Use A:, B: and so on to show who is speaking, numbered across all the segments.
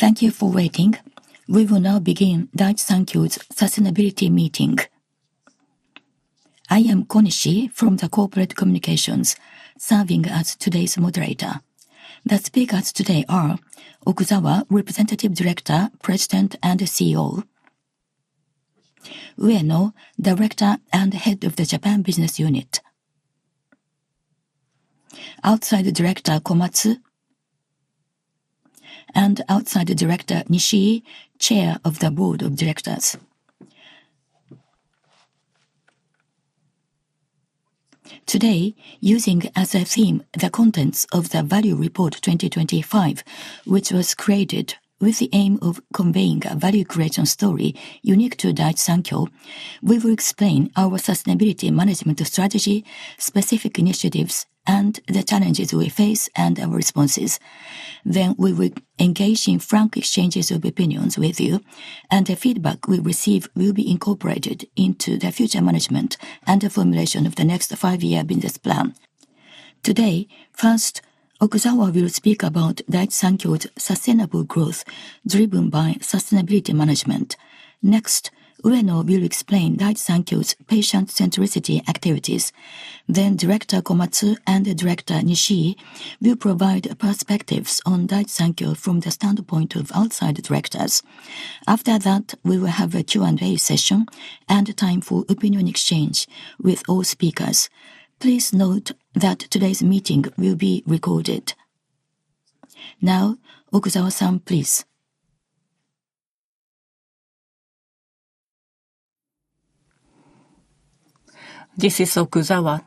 A: I am Konishi from the Corporate Communications, serving as today's moderator. The speakers today are: Okuzawa, Representative Director, President and CEO; Ueno, Director and Head of the Japan Business Unit; Outside Director Komatsu; and Outside Director Nishii, Chair of the Board of Directors. Today, using as a theme the contents of the Value Report 2025, which was created with the aim of conveying a value creation story unique to Daiichi Sankyo, we will explain our sustainability management strategy, specific initiatives, and the challenges we face and our responses. Then we will engage in frank exchanges of opinions with you, and the feedback we receive will be incorporated into the future management and the formulation of the next five-year business plan. Today, first, Okuzawa will speak about Daiichi Sankyo's sustainable growth driven by sustainability management. Next, Ueno will explain Daiichi Sankyo's patient-centricity activities. Then Director Komatsu and Director Nishii will provide perspectives on Daiichi Sankyo from the standpoint of outside directors. After that, we will have a Q&A session and time for opinion exchange with all speakers. Please note that today's meeting will be recorded. Now, Okuzawa-san, please.
B: This is Okuzawa.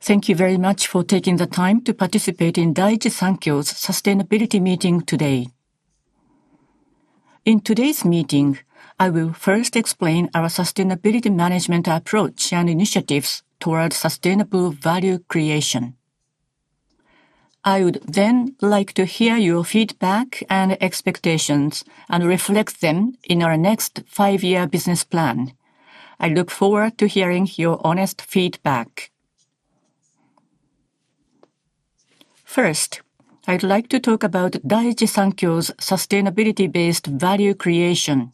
B: Thank you very much for taking the time to participate in Daiichi Sankyo's sustainability meeting today. In today's meeting, I will first explain our sustainability management approach and initiatives toward sustainable value creation. I would then like to hear your feedback and expectations and reflect them in our next five-year business plan. I look forward to hearing your honest feedback. First, I'd like to talk about Daiichi Sankyo's sustainability-based value creation.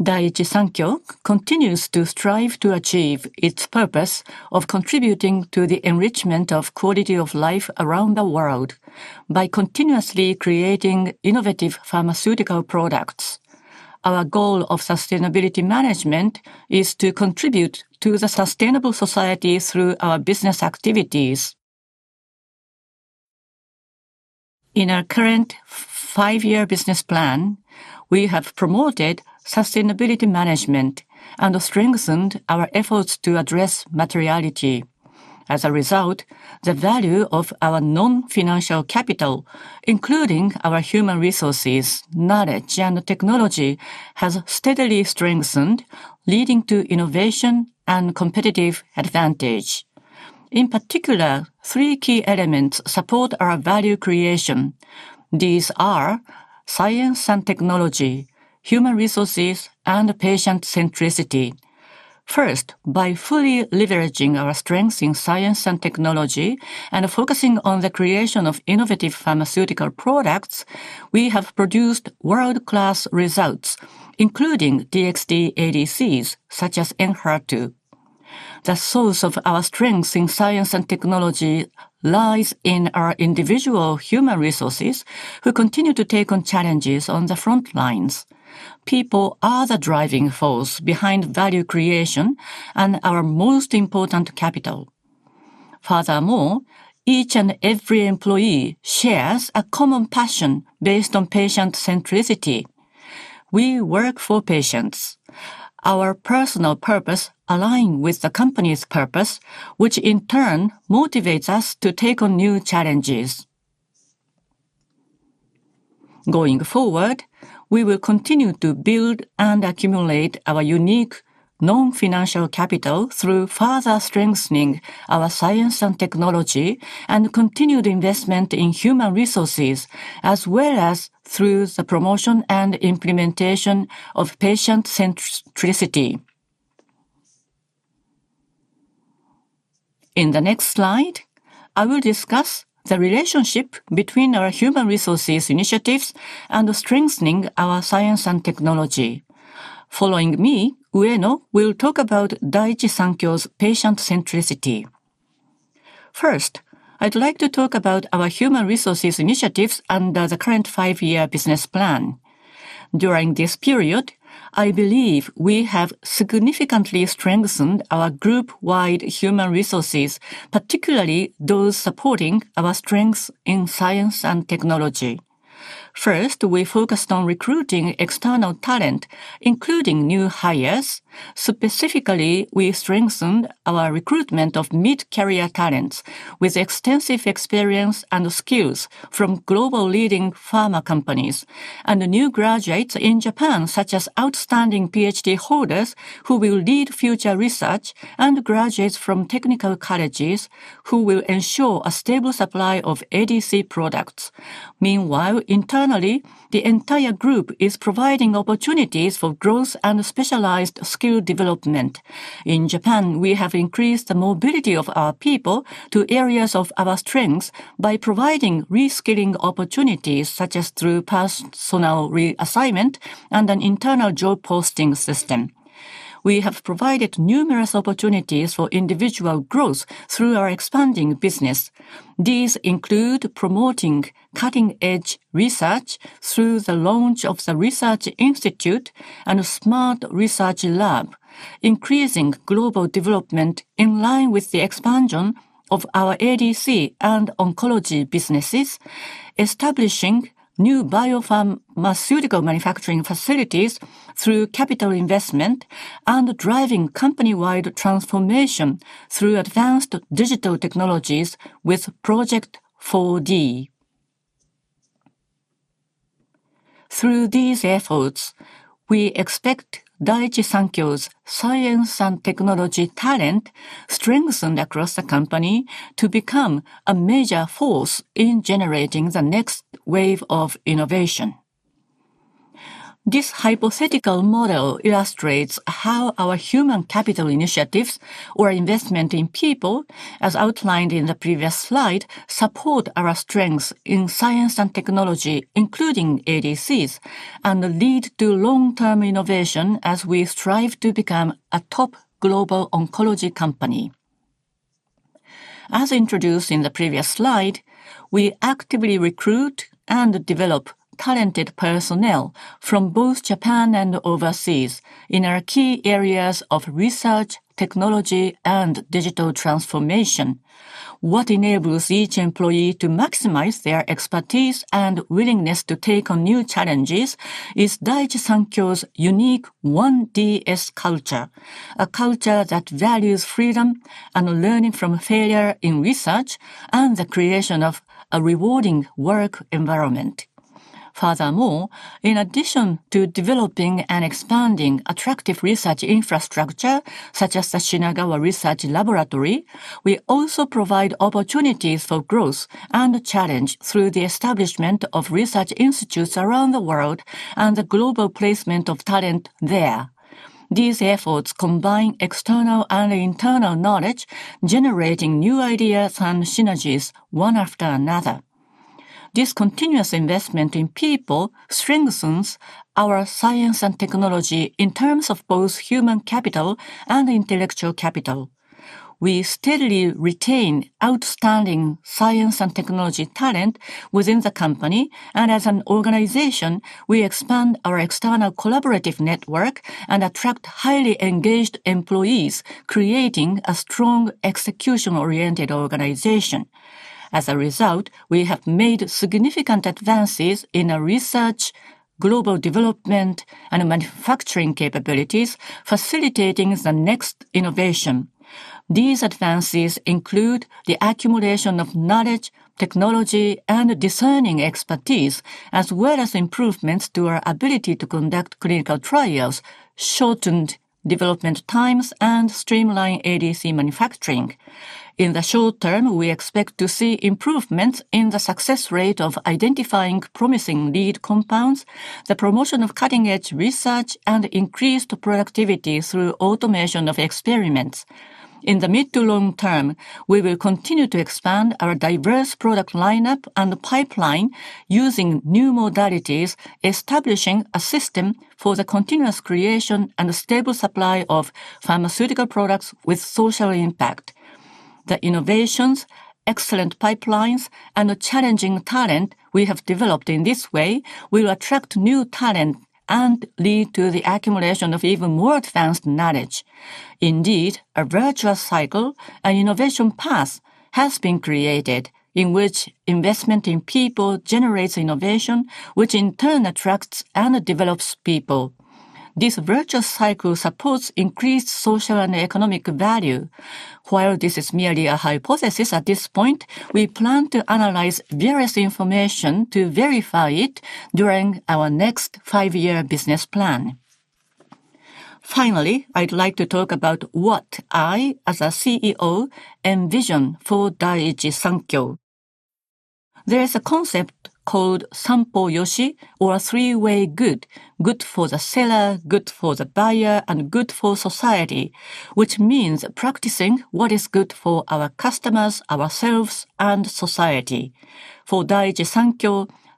B: Daiichi Sankyo continues to strive to achieve its purpose of contributing to the enrichment of quality of life around the world by continuously creating innovative pharmaceutical products. Our goal of sustainability management is to contribute to the sustainable society through our business activities. In our current five-year business plan, we have promoted sustainability management and strengthened our efforts to address materiality. As a result, the value of our non-financial capital, including our human resources, knowledge, and technology, has steadily strengthened, leading to innovation and competitive advantage. In particular, three key elements support our value creation. These are science and technology, human resources, and patient-centricity. First, by fully leveraging our strengths in science and technology and focusing on the creation of innovative pharmaceutical products, we have produced world-class results, including DXd ADCs such as Enhertu. The source of our strengths in science and technology lies in our individual human resources, who continue to take on challenges on the front lines. People are the driving force behind value creation and our most important capital. Furthermore, each and every employee shares a common passion based on patient-centricity. We work for patients. Our personal purpose aligns with the company's purpose, which in turn motivates us to take on new challenges. Going forward, we will continue to build and accumulate our unique non-financial capital through further strengthening our science and technology and continued investment in human resources, as well as through the promotion and implementation of patient-centricity. In the next slide, I will discuss the relationship between our human resources initiatives and strengthening our science and technology. Following me, Ueno will talk about Daiichi Sankyo's patient-centricity. First, I'd like to talk about our human resources initiatives under the current five-year business plan. During this period, I believe we have significantly strengthened our group-wide human resources, particularly those supporting our strengths in science and technology. First, we focused on recruiting external talent, including new hires. Specifically, we strengthened our recruitment of mid-career talents with extensive experience and skills from global leading pharma companies and new graduates in Japan, such as outstanding PhD holders who will lead future research and graduates from technical colleges who will ensure a stable supply of ADC products. Meanwhile, internally, the entire group is providing opportunities for growth and specialized skill development. In Japan, we have increased the mobility of our people to areas of our strengths by providing reskilling opportunities, such as through personnel reassignment and an internal job posting system. We have provided numerous opportunities for individual growth through our expanding business. These include promoting cutting-edge research through the launch of the research institute and a smart research lab, increasing global development in line with the expansion of our ADC and oncology businesses, establishing new biopharmaceutical manufacturing facilities through capital investment, and driving company-wide transformation through advanced digital technologies with Project 4D. Through these efforts, we expect Daiichi Sankyo's science and technology talent, strengthened across the company, to become a major force in generating the next wave of innovation. This hypothetical model illustrates how our human capital initiatives, or investment in people, as outlined in the previous slide, support our strengths in science and technology, including ADCs, and lead to long-term innovation as we strive to become a top global oncology company. As introduced in the previous slide, we actively recruit and develop talented personnel from both Japan and overseas in our key areas of research, technology, and digital transformation. What enables each employee to maximize their expertise and willingness to take on new challenges is Daiichi Sankyo's unique One DS Culture, a culture that values freedom and learning from failure in research and the creation of a rewarding work environment. Furthermore, in addition to developing and expanding attractive research infrastructure, such as the Shinagawa Research Laboratory, we also provide opportunities for growth and challenge through the establishment of research institutes around the world and the global placement of talent there. These efforts combine external and internal knowledge, generating new ideas and synergies one after another. This continuous investment in people strengthens our science and technology in terms of both human capital and intellectual capital. We steadily retain outstanding science and technology talent within the company, and as an organization, we expand our external collaborative network and attract highly engaged employees, creating a strong execution-oriented organization. As a result, we have made significant advances in our research, global development, and manufacturing capabilities, facilitating the next innovation. These advances include the accumulation of knowledge, technology, and discerning expertise, as well as improvements to our ability to conduct clinical trials, shortened development times, and streamlined ADC manufacturing. In the short-term, we expect to see improvements in the success rate of identifying promising lead compounds, the promotion of cutting-edge research, and increased productivity through automation of experiments. In the mid to long term, we will continue to expand our diverse product lineup and pipeline using new modalities, establishing a system for the continuous creation and stable supply of pharmaceutical products with social impact. The innovations, excellent pipelines, and challenging talent we have developed in this way will attract new talent and lead to the accumulation of even more advanced knowledge. Indeed, a virtuous cycle, an innovation path, has been created in which investment in people generates innovation, which in turn attracts and develops people. This virtuous cycle supports increased social and economic value. While this is merely a hypothesis at this point, we plan to analyze various information to verify it during our next five-year business plan. Finally, I'd like to talk about what I, as a CEO, envision for Daiichi Sankyo. There is a concept called Sampo-yoshi, or three-way good: good for the seller, good for the buyer, and good for society, which means practicing what is good for our customers, ourselves, and society. For Daiichi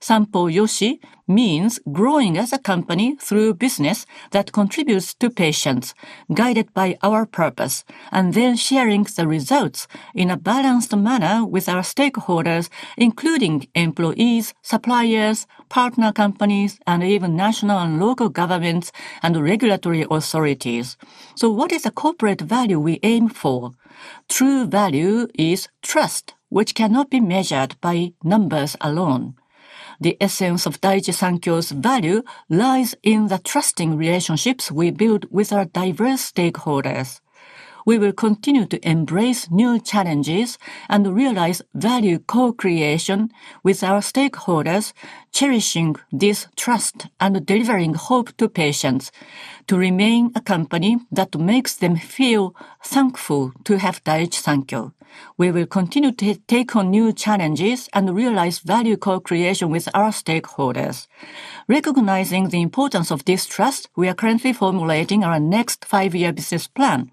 B: Sankyo, Sampo-yoshi means growing as a company through business that contributes to patients, guided by our purpose, and then sharing the results in a balanced manner with our stakeholders, including employees, suppliers, partner companies, and even national and local governments and regulatory authorities. So what is the corporate value we aim for? True value is trust, which cannot be measured by numbers alone. The essence of Daiichi Sankyo's value lies in the trusting relationships we build with our diverse stakeholders. We will continue to embrace new challenges and realize value co-creation with our stakeholders, cherishing this trust and delivering hope to patients to remain a company that makes them feel thankful to have Daiichi Sankyo. We will continue to take on new challenges and realize value co-creation with our stakeholders. Recognizing the importance of this trust, we are currently formulating our next five-year business plan.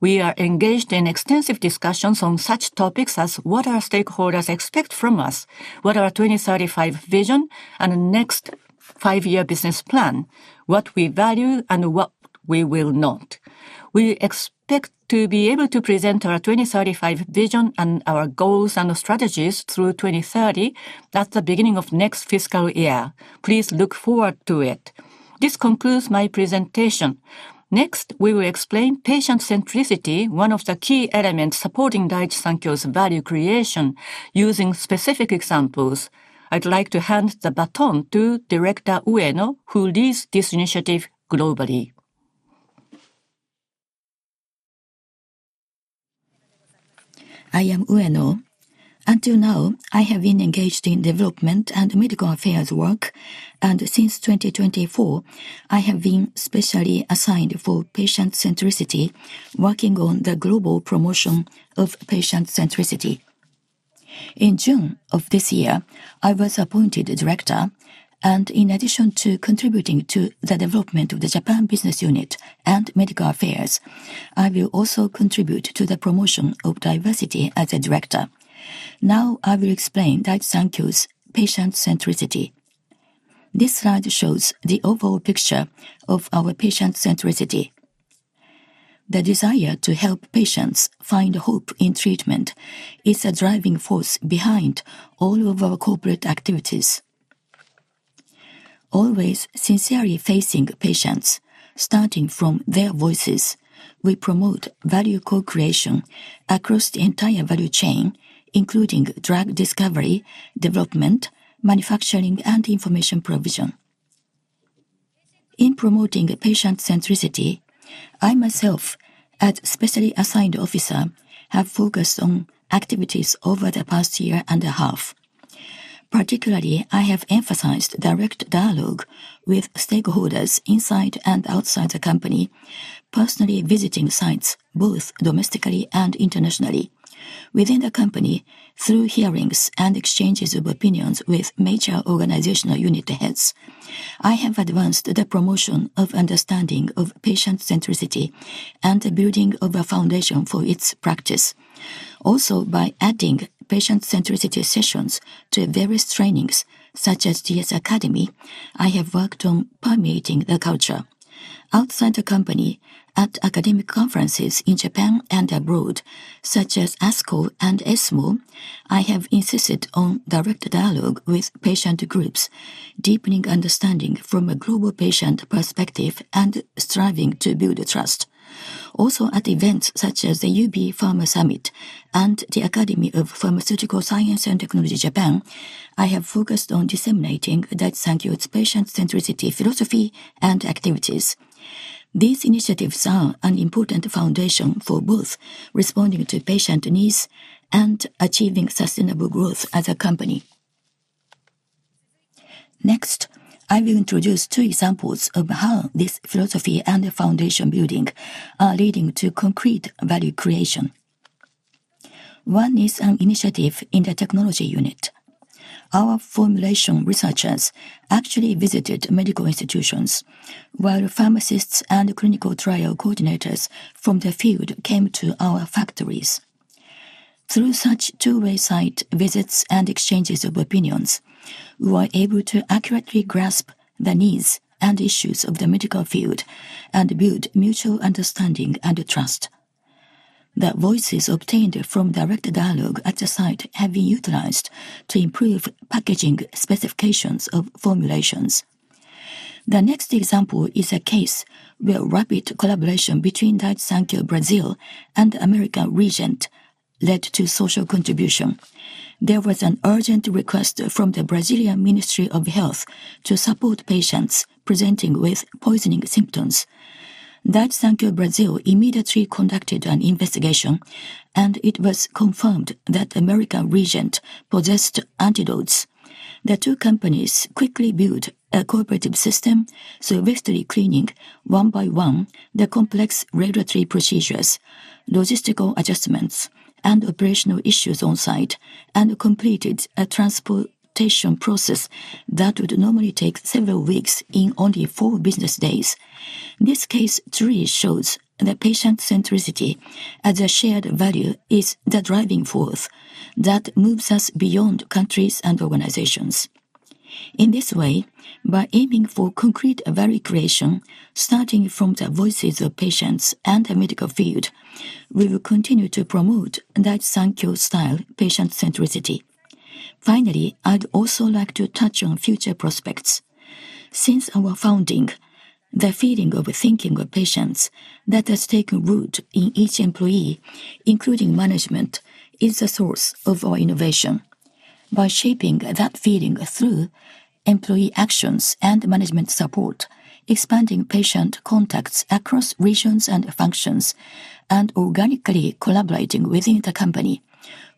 B: We are engaged in extensive discussions on such topics as what our stakeholders expect from us, what our 2035 vision and next five-year business plan, what we value, and what we will not. We expect to be able to present our 2035 vision and our goals and strategies through 2030 at the beginning of next fiscal year. Please look forward to it. This concludes my presentation. Next, we will explain patient-centricity, one of the key elements supporting Daiichi Sankyo's value creation using specific examples. I'd like to hand the baton to Director Ueno, who leads this initiative globally.
C: I am Ueno. Until now, I have been engaged in development and medical affairs work, and since 2024, I have been specially assigned for patient-centricity, working on the global promotion of patient-centricity. In June of this year, I was appointed director, and in addition to contributing to the development of the Japan Business Unit and medical affairs, I will also contribute to the promotion of diversity as a director. Now, I will explain Daiichi Sankyo's patient-centricity. This slide shows the overall picture of our patient-centricity. The desire to help patients find hope in treatment is a driving force behind all of our corporate activities. Always sincerely facing patients, starting from their voices, we promote value co-creation across the entire value chain, including drug discovery, development, manufacturing, and information provision. In promoting patient-centricity, I myself, as specially assigned officer, have focused on activities over the past year and a half. Particularly, I have emphasized direct dialogue with stakeholders inside and outside the company, personally visiting sites, both domestically and internationally. Within the company, through hearings and exchanges of opinions with major organizational unit heads, I have advanced the promotion of understanding of patient-centricity and building a foundation for its practice. Also, by adding patient-centricity sessions to various trainings, such as DS Academy, I have worked on permeating the culture. Outside the company, at academic conferences in Japan and abroad, such as ASCO and ESMO, I have insisted on direct dialogue with patient groups, deepening understanding from a global patient perspective and striving to build trust. Also, at events such as the Ubie Pharma Summit and the Academy of Pharmaceutical Science and Technology Japan, I have focused on disseminating Daiichi Sankyo's patient-centricity philosophy and activities. These initiatives are an important foundation for both responding to patient needs and achieving sustainable growth as a company. Next, I will introduce two examples of how this philosophy and foundation building are leading to concrete value creation. One is an initiative in the technology unit. Our formulation researchers actually visited medical institutions, while pharmacists and clinical trial coordinators from the field came to our factories. Through such two-way site visits and exchanges of opinions, we were able to accurately grasp the needs and issues of the medical field and build mutual understanding and trust. The voices obtained from direct dialogue at the site have been utilized to improve packaging specifications of formulations. The next example is a case where rapid collaboration between Daiichi Sankyo Brazil and the American region led to social contribution. There was an urgent request from the Brazilian Ministry of Health to support patients presenting with poisoning symptoms. Daiichi Sankyo Brazil immediately conducted an investigation, and it was confirmed that the American region possessed antidotes. The two companies quickly built a cooperative system to virtually clear, one by one, the complex regulatory procedures, logistical adjustments, and operational issues on site, and completed a transportation process that would normally take several weeks in only four business days. This case truly shows that patient-centricity as a shared value is the driving force that moves us beyond countries and organizations. In this way, by aiming for concrete value creation, starting from the voices of patients and the medical field, we will continue to promote Daiichi Sankyo style patient-centricity. Finally, I'd also like to touch on future prospects. Since our founding, the feeling of thinking of patients that has taken root in each employee, including management, is the source of our innovation. By shaping that feeling through employee actions and management support, expanding patient contacts across regions and functions, and organically collaborating within the company,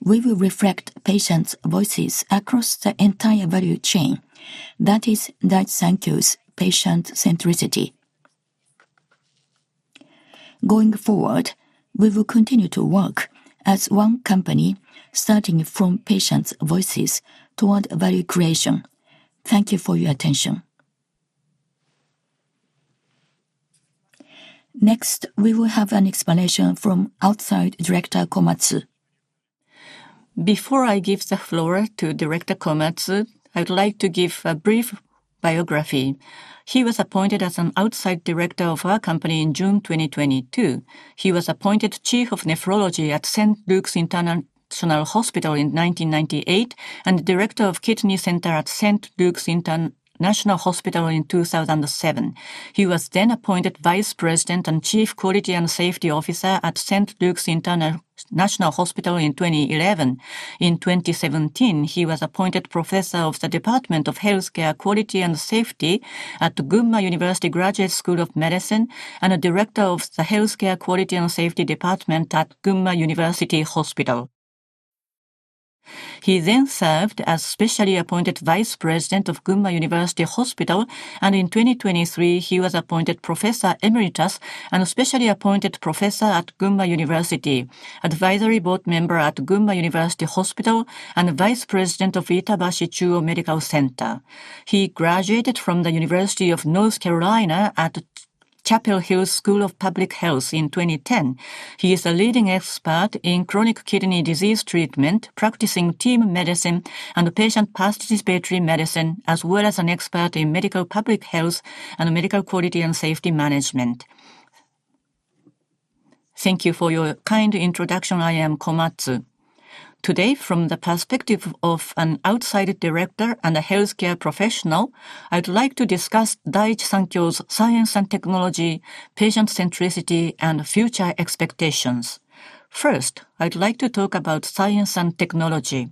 C: we will reflect patients' voices across the entire value chain. That is Daiichi Sankyo's patient-centricity. Going forward, we will continue to work as one company, starting from patients' voices toward value creation. Thank you for your attention. Next, we will have an explanation from Outside Director Komatsu. Before I give the floor to director Komatsu, I would like to give a brief biography. He was appointed as an outside director of our company in June 2022. He was appointed Chief of Nephrology at St. Luke's International Hospital in 1998 and Director of Kidney Center at St. Luke's International Hospital in 2007. He was then appointed Vice President and Chief Quality and Safety Officer at St. Luke's International Hospital in 2011. In 2017, he was appointed Professor of the Department of Healthcare Quality and Safety at the Gunma University Graduate School of Medicine and a Director of the Healthcare Quality and Safety Department at Gunma University Hospital. He then served as Specially Appointed Vice President of Gunma University Hospital, and in 2023, he was appointed Professor Emeritus and a Specially Appointed Professor at Gunma University, Advisory Board Member at Gunma University Hospital, and Vice President of Itabashi Chuo Medical Center. He graduated from the University of North Carolina at Chapel Hill School of Public Health in 2010. He is a leading expert in chronic kidney disease treatment, practicing team medicine and patient participatory medicine, as well as an expert in medical public health and medical quality and safety management.
D: Thank you for your kind introduction, I'm Komatsu. Today, from the perspective of an outside director and a healthcare professional, I'd like to discuss Daiichi Sankyo's science and technology, patient-centricity, and future expectations. First, I'd like to talk about science and technology.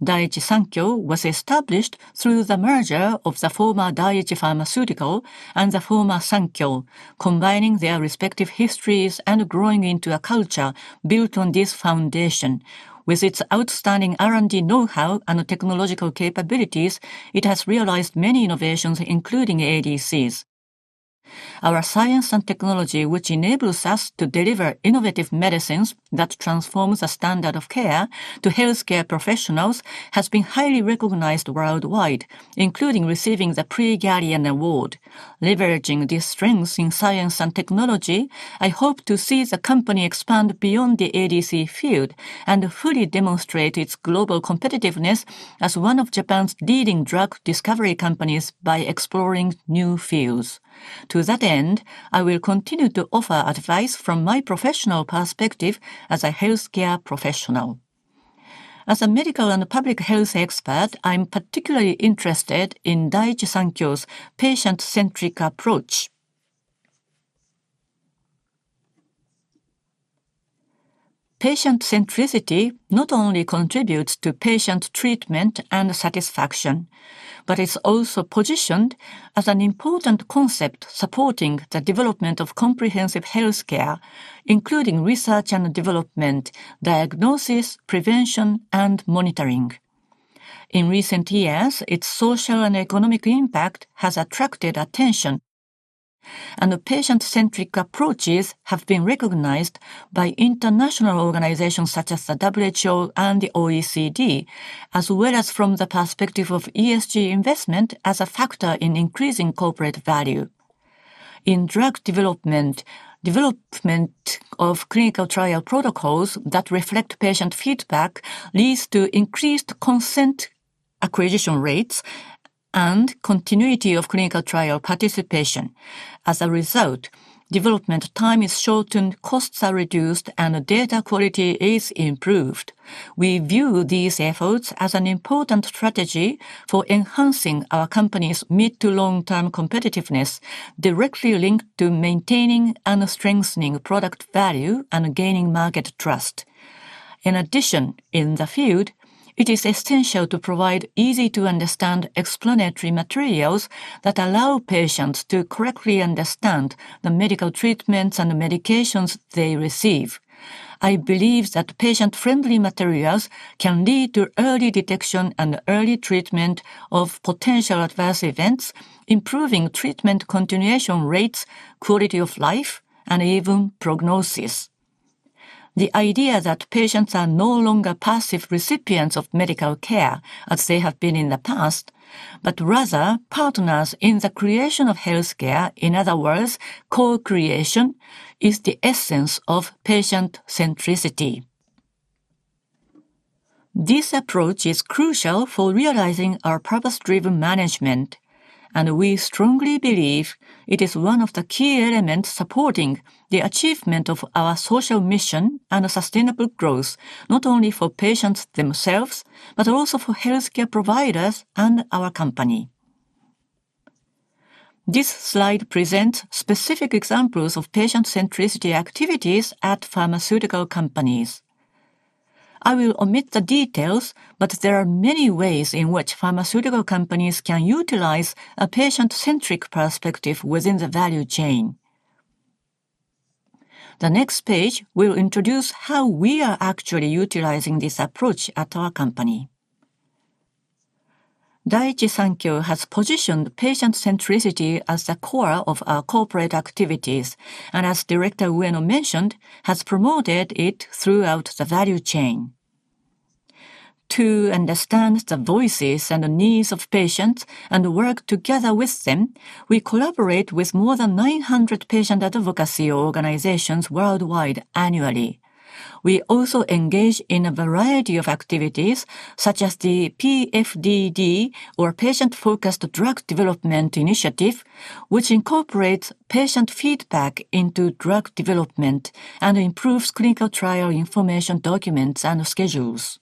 D: Daiichi Sankyo was established through the merger of the former Daiichi Pharmaceutical and the former Sankyo, combining their respective histories and growing into a culture built on this foundation. With its outstanding R&D know-how and technological capabilities, it has realized many innovations, including ADCs. Our science and technology, which enables us to deliver innovative medicines that transform the standard of care to healthcare professionals, has been highly recognized worldwide, including receiving the Prix Galien Award. Leveraging these strengths in science and technology, I hope to see the company expand beyond the ADC field and fully demonstrate its global competitiveness as one of Japan's leading drug discovery companies by exploring new fields. To that end, I will continue to offer advice from my professional perspective as a healthcare professional. As a medical and public health expert, I'm particularly interested in Daiichi Sankyo's patient-centric approach. Patient-centricity not only contributes to patient treatment and satisfaction, but is also positioned as an important concept supporting the development of comprehensive healthcare, including research and development, diagnosis, prevention, and monitoring. In recent years, its social and economic impact has attracted attention, and patient-centric approaches have been recognized by international organizations such as the WHO and the OECD, as well as from the perspective of ESG investment as a factor in increasing corporate value. In drug development, development of clinical trial protocols that reflect patient feedback leads to increased consent acquisition rates and continuity of clinical trial participation. As a result, development time is shortened, costs are reduced, and data quality is improved. We view these efforts as an important strategy for enhancing our company's mid-to-long-term competitiveness, directly linked to maintaining and strengthening product value and gaining market trust. In addition, in the field, it is essential to provide easy-to-understand explanatory materials that allow patients to correctly understand the medical treatments and medications they receive. I believe that patient-friendly materials can lead to early detection and early treatment of potential adverse events, improving treatment continuation rates, quality of life, and even prognosis. The idea that patients are no longer passive recipients of medical care as they have been in the past, but rather partners in the creation of healthcare, in other words, co-creation, is the essence of patient-centricity. This approach is crucial for realizing our purpose-driven management, and we strongly believe it is one of the key elements supporting the achievement of our social mission and sustainable growth, not only for patients themselves, but also for healthcare providers and our company. This slide presents specific examples of patient-centricity activities at pharmaceutical companies. I will omit the details, but there are many ways in which pharmaceutical companies can utilize a patient-centric perspective within the value chain. The next page will introduce how we are actually utilizing this approach at our company. Daiichi Sankyo has positioned patient-centricity as the core of our corporate activities, and as Director Ueno mentioned, has promoted it throughout the value chain. To understand the voices and needs of patients and work together with them, we collaborate with more than 900 patient advocacy organizations worldwide annually. We also engage in a variety of activities, such as the PFDD, or Patient-Focused Drug Development Initiative, which incorporates patient feedback into drug development and improves clinical trial information documents and schedules.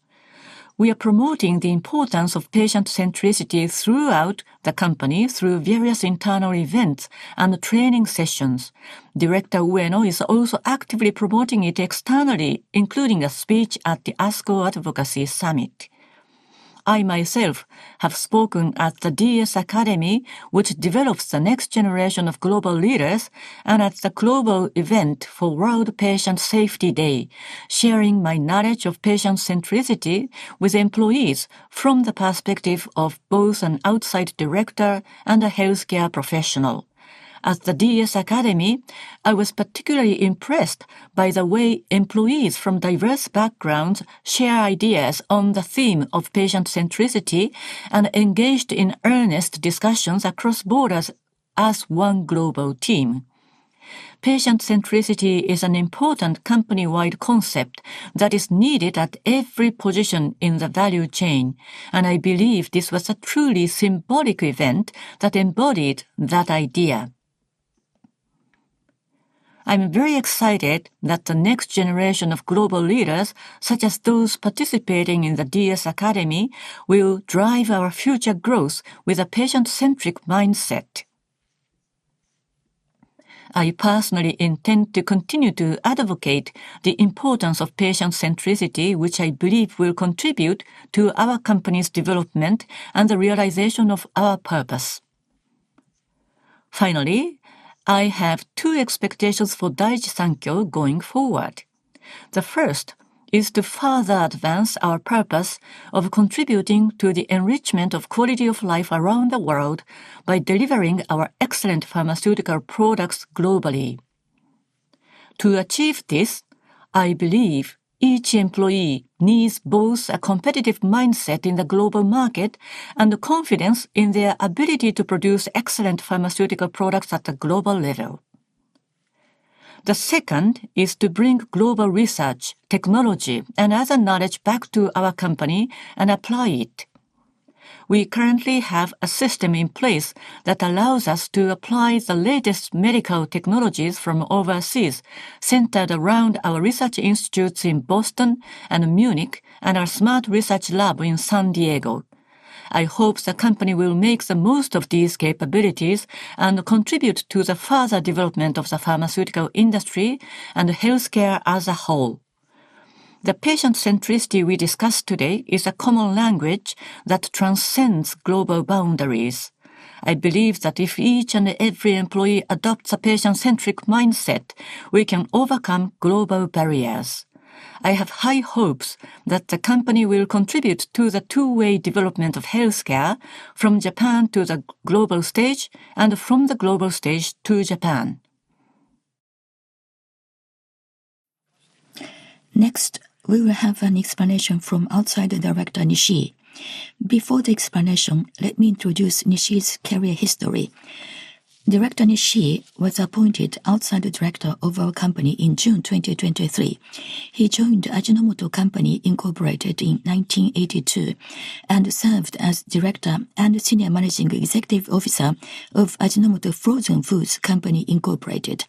D: We are promoting the importance of patient-centricity throughout the company through various internal events and training sessions. Director Ueno is also actively promoting it externally, including a speech at the ASCO Advocacy Summit. I myself have spoken at the DS Academy, which develops the next generation of global leaders, and at the global event for World Patient Safety Day, sharing my knowledge of patient-centricity with employees from the perspective of both an outside director and a healthcare professional. At the DS Academy, I was particularly impressed by the way employees from diverse backgrounds share ideas on the theme of patient-centricity and engaged in earnest discussions across borders as one global team. Patient-centricity is an important company-wide concept that is needed at every position in the value chain, and I believe this was a truly symbolic event that embodied that idea. I'm very excited that the next generation of global leaders, such as those participating in the DS Academy, will drive our future growth with a patient-centric mindset. I personally intend to continue to advocate the importance of patient-centricity, which I believe will contribute to our company's development and the realization of our purpose. Finally, I have two expectations for Daiichi Sankyo going forward. The first is to further advance our purpose of contributing to the enrichment of quality of life around the world by delivering our excellent pharmaceutical products globally. To achieve this, I believe each employee needs both a competitive mindset in the global market and confidence in their ability to produce excellent pharmaceutical products at a global level. The second is to bring global research, technology, and other knowledge back to our company and apply it. We currently have a system in place that allows us to apply the latest medical technologies from overseas, centered around our research institutes in Boston and Munich, and our smart research lab in San Diego. I hope the company will make the most of these capabilities and contribute to the further development of the pharmaceutical industry and healthcare as a whole. The patient-centricity we discussed today is a common language that transcends global boundaries. I believe that if each and every employee adopts a patient-centric mindset, we can overcome global barriers. I have high hopes that the company will contribute to the two-way development of healthcare, from Japan to the global stage and from the global stage to Japan.
A: Next, we will have an explanation from Outside Director Nishii. Before the explanation, let me introduce Nishii's career history. Director Nishii was appointed outside director of our company in June 2023. He joined Ajinomoto Company Incorporated in 1982 and served as director and senior managing executive officer of Ajinomoto Frozen Foods Company Incorporated.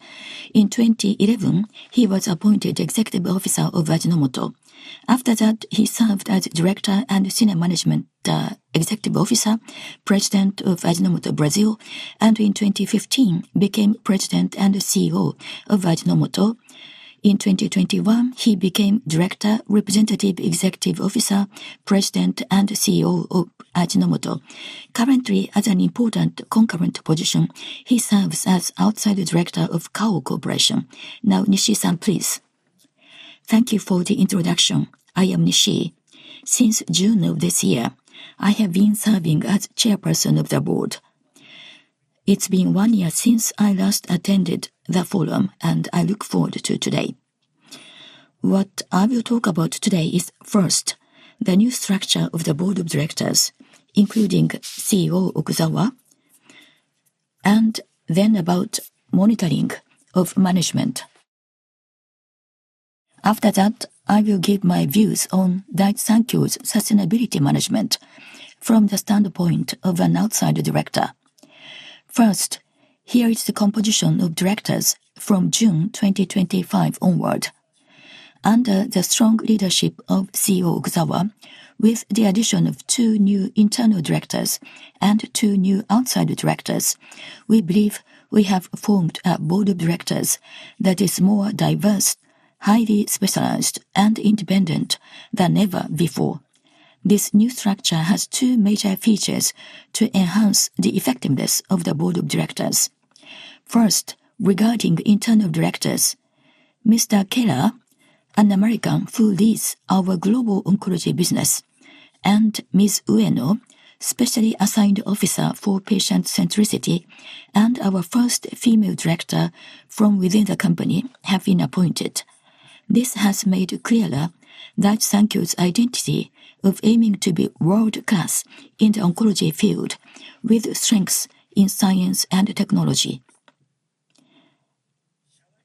A: In 2011, he was appointed executive officer of Ajinomoto. After that, he served as director and senior management executive officer, president of Ajinomoto Brazil, and in 2015, became president and CEO of Ajinomoto. In 2021, he became director, representative executive officer, president, and CEO of Ajinomoto. Currently, as an important concurrent position, he serves as Outside Director of Kao Corporation. Now, Nishii, please.
E: Thank you for the introduction. I am Nishii. Since June of this year, I have been serving as chairperson of the board. It's been one year since I last attended the forum, and I look forward to today. What I will talk about today is, first, the new structure of the board of directors, including CEO Okuzawa, and then about monitoring of management. After that, I will give my views on Daiichi Sankyo's sustainability management from the standpoint of an outside director. First, here is the composition of directors from June 2025 onward. Under the strong leadership of CEO Okuzawa, with the addition of two new internal directors and two new outside directors, we believe we have formed a board of directors that is more diverse, highly specialized, and independent than ever before. This new structure has two major features to enhance the effectiveness of the board of directors. First, regarding internal directors, Mr. Keller, an American who leads our global oncology business, and Ms. Ueno, specially assigned officer for patient-centricity and our first female director from within the company, have been appointed. This has made clearer Daiichi Sankyo's identity of aiming to be world-class in the oncology field with strengths in science and technology.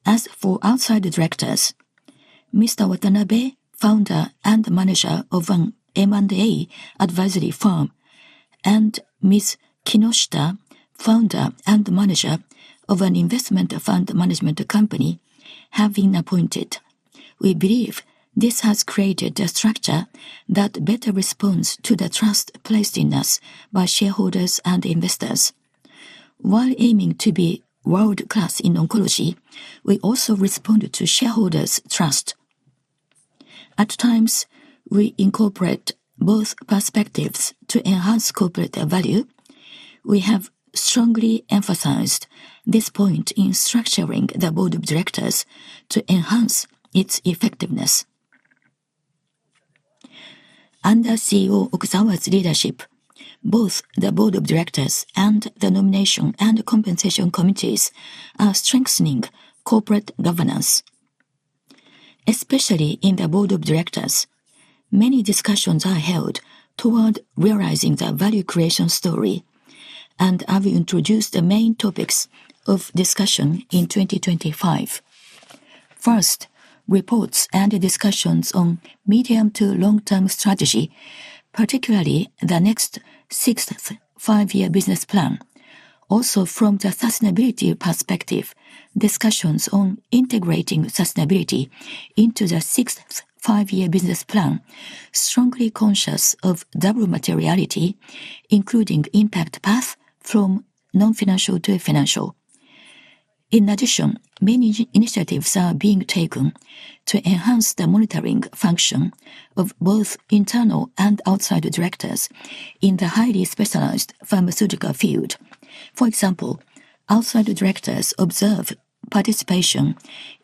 E: As for outside directors, Mr. Watanabe, founder and manager of an M&A advisory firm, and Ms. Kinoshita, founder and manager of an investment fund management company, have been appointed. We believe this has created a structure that better responds to the trust placed in us by shareholders and investors. While aiming to be world-class in oncology, we also respond to shareholders' trust. At times, we incorporate both perspectives to enhance corporate value. We have strongly emphasized this point in structuring the board of directors to enhance its effectiveness. Under CEO Okuzawa's leadership, both the board of directors and the nomination and compensation committees are strengthening corporate governance. Especially in the board of directors, many discussions are held toward realizing the value creation story, and I will introduce the main topics of discussion in 2025. First, reports and discussions on medium to long-term strategy, particularly the next sixth five-year business plan. Also, from the sustainability perspective, discussions on integrating sustainability into the sixth five-year business plan, strongly conscious of double materiality, including impact path from non-financial to financial. In addition, many initiatives are being taken to enhance the monitoring function of both internal and outside directors in the highly specialized pharmaceutical field. For example, outside directors observe participation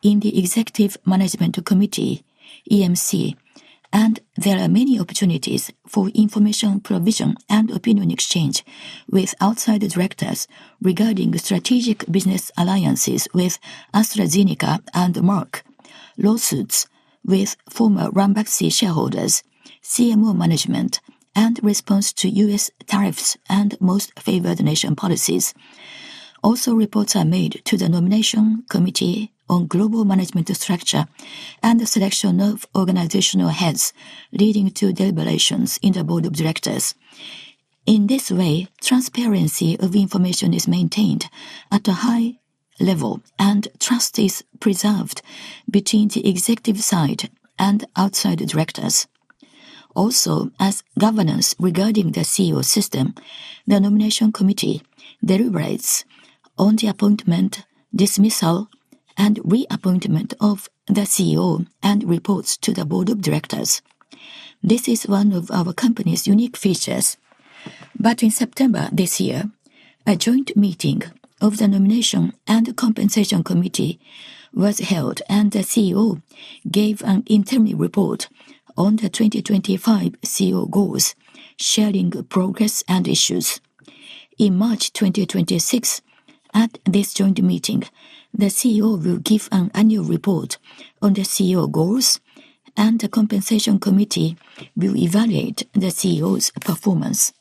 E: in the Executive Management Committee, EMC, and there are many opportunities for information provision and opinion exchange with outside directors regarding strategic business alliances with AstraZeneca and Merck, lawsuits with former Ranbaxy shareholders, CMO management, and response to U.S. tariffs and most favored nation policies. Also, reports are made to the nomination committee on global management structure and the selection of organizational heads, leading to deliberations in the board of directors. In this way, transparency of information is maintained at a high level and trust is preserved between the executive side and outside directors. Also, as governance regarding the CEO system, the nomination committee deliberates on the appointment, dismissal, and reappointment of the CEO and reports to the board of directors. This is one of our company's unique features, but in September this year, a joint meeting of the nomination and compensation committee was held, and the CEO gave an interim report on the 2025 CEO goals, sharing progress and issues. In March 2026, at this joint meeting, the CEO will give an annual report on the CEO goals, and the compensation committee will evaluate the CEO's performance.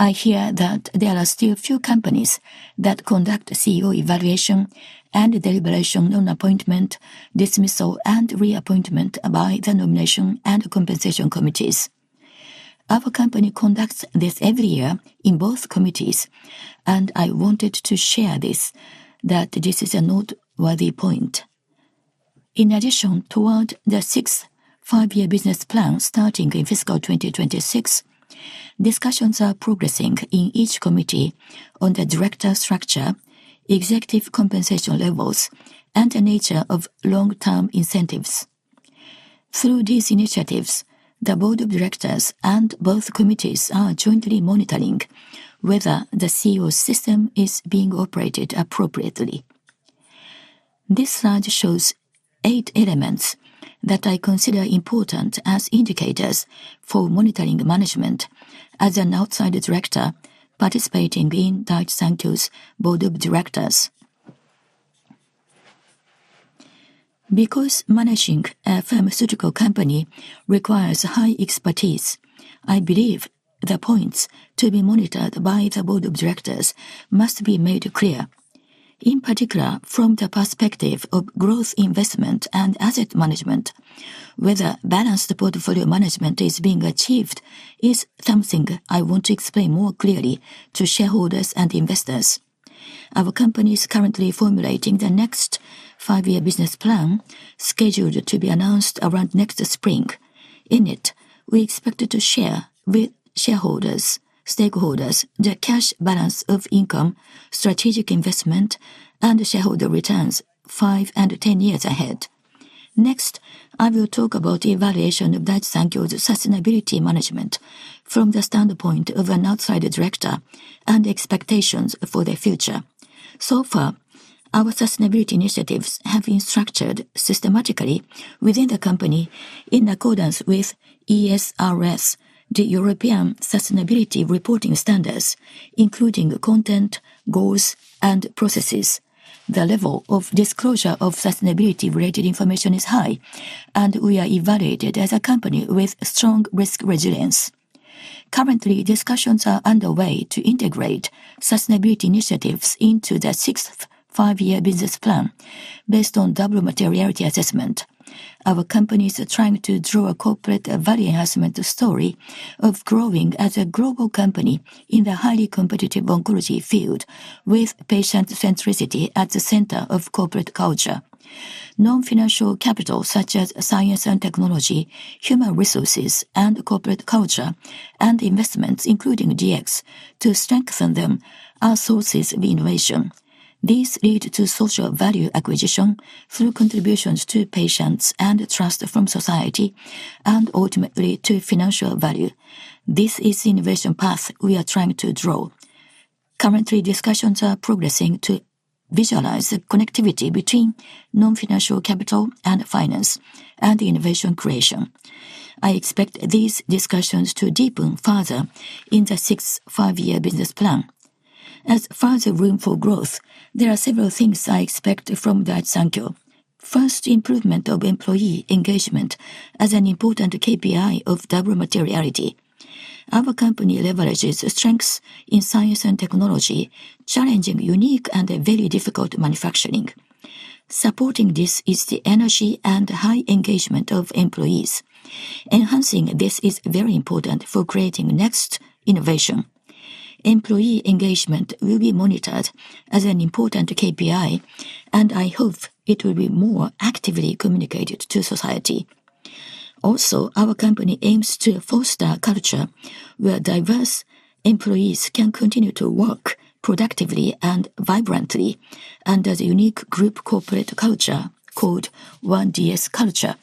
E: I hear that there are still a few companies that conduct CEO evaluation and deliberation on appointment, dismissal, and reappointment by the nomination and compensation committees. Our company conducts this every year in both committees, and I wanted to share this, that this is a noteworthy point. In addition, toward the sixth five-year business plan starting in fiscal 2026, discussions are progressing in each committee on the director structure, executive compensation levels, and the nature of long-term incentives. Through these initiatives, the board of directors and both committees are jointly monitoring whether the CEO system is being operated appropriately. This slide shows eight elements that I consider important as indicators for monitoring management as an outside director participating in Daiichi Sankyo's board of directors. Because managing a pharmaceutical company requires high expertise, I believe the points to be monitored by the board of directors must be made clear. In particular, from the perspective of growth investment and asset management, whether balanced portfolio management is being achieved is something I want to explain more clearly to shareholders and investors. Our company is currently formulating the next five-year business plan, scheduled to be announced around next spring. In it, we expect to share with shareholders, stakeholders, the cash balance of income, strategic investment, and shareholder returns five and 10 years ahead. Next, I will talk about the evaluation of Daiichi Sankyo's sustainability management from the standpoint of an outside director and expectations for the future. So far, our sustainability initiatives have been structured systematically within the company in accordance with ESRS, the European Sustainability Reporting Standards, including content, goals, and processes. The level of disclosure of sustainability-related information is high, and we are evaluated as a company with strong risk resilience. Currently, discussions are underway to integrate sustainability initiatives into the sixth five-year business plan based on double materiality assessment. Our company is trying to draw a corporate value enhancement story of growing as a global company in the highly competitive oncology field with patient-centricity at the center of corporate culture. Non-financial capital such as science and technology, human resources, and corporate culture, and investments, including DX, to strengthen them are sources of innovation. These lead to social value acquisition through contributions to patients and trust from society, and ultimately to financial value. This is the innovation path we are trying to draw. Currently, discussions are progressing to visualize the connectivity between non-financial capital and finance and innovation creation. I expect these discussions to deepen further in the sixth five-year business plan. As further room for growth, there are several things I expect from Daiichi Sankyo. First, improvement of employee engagement as an important KPI of double materiality. Our company leverages strengths in science and technology, challenging unique and very difficult manufacturing. Supporting this is the energy and high engagement of employees. Enhancing this is very important for creating next innovation. Employee engagement will be monitored as an important KPI, and I hope it will be more actively communicated to society. Also, our company aims to foster a culture where diverse employees can continue to work productively and vibrantly under the unique group corporate culture called One DS Culture.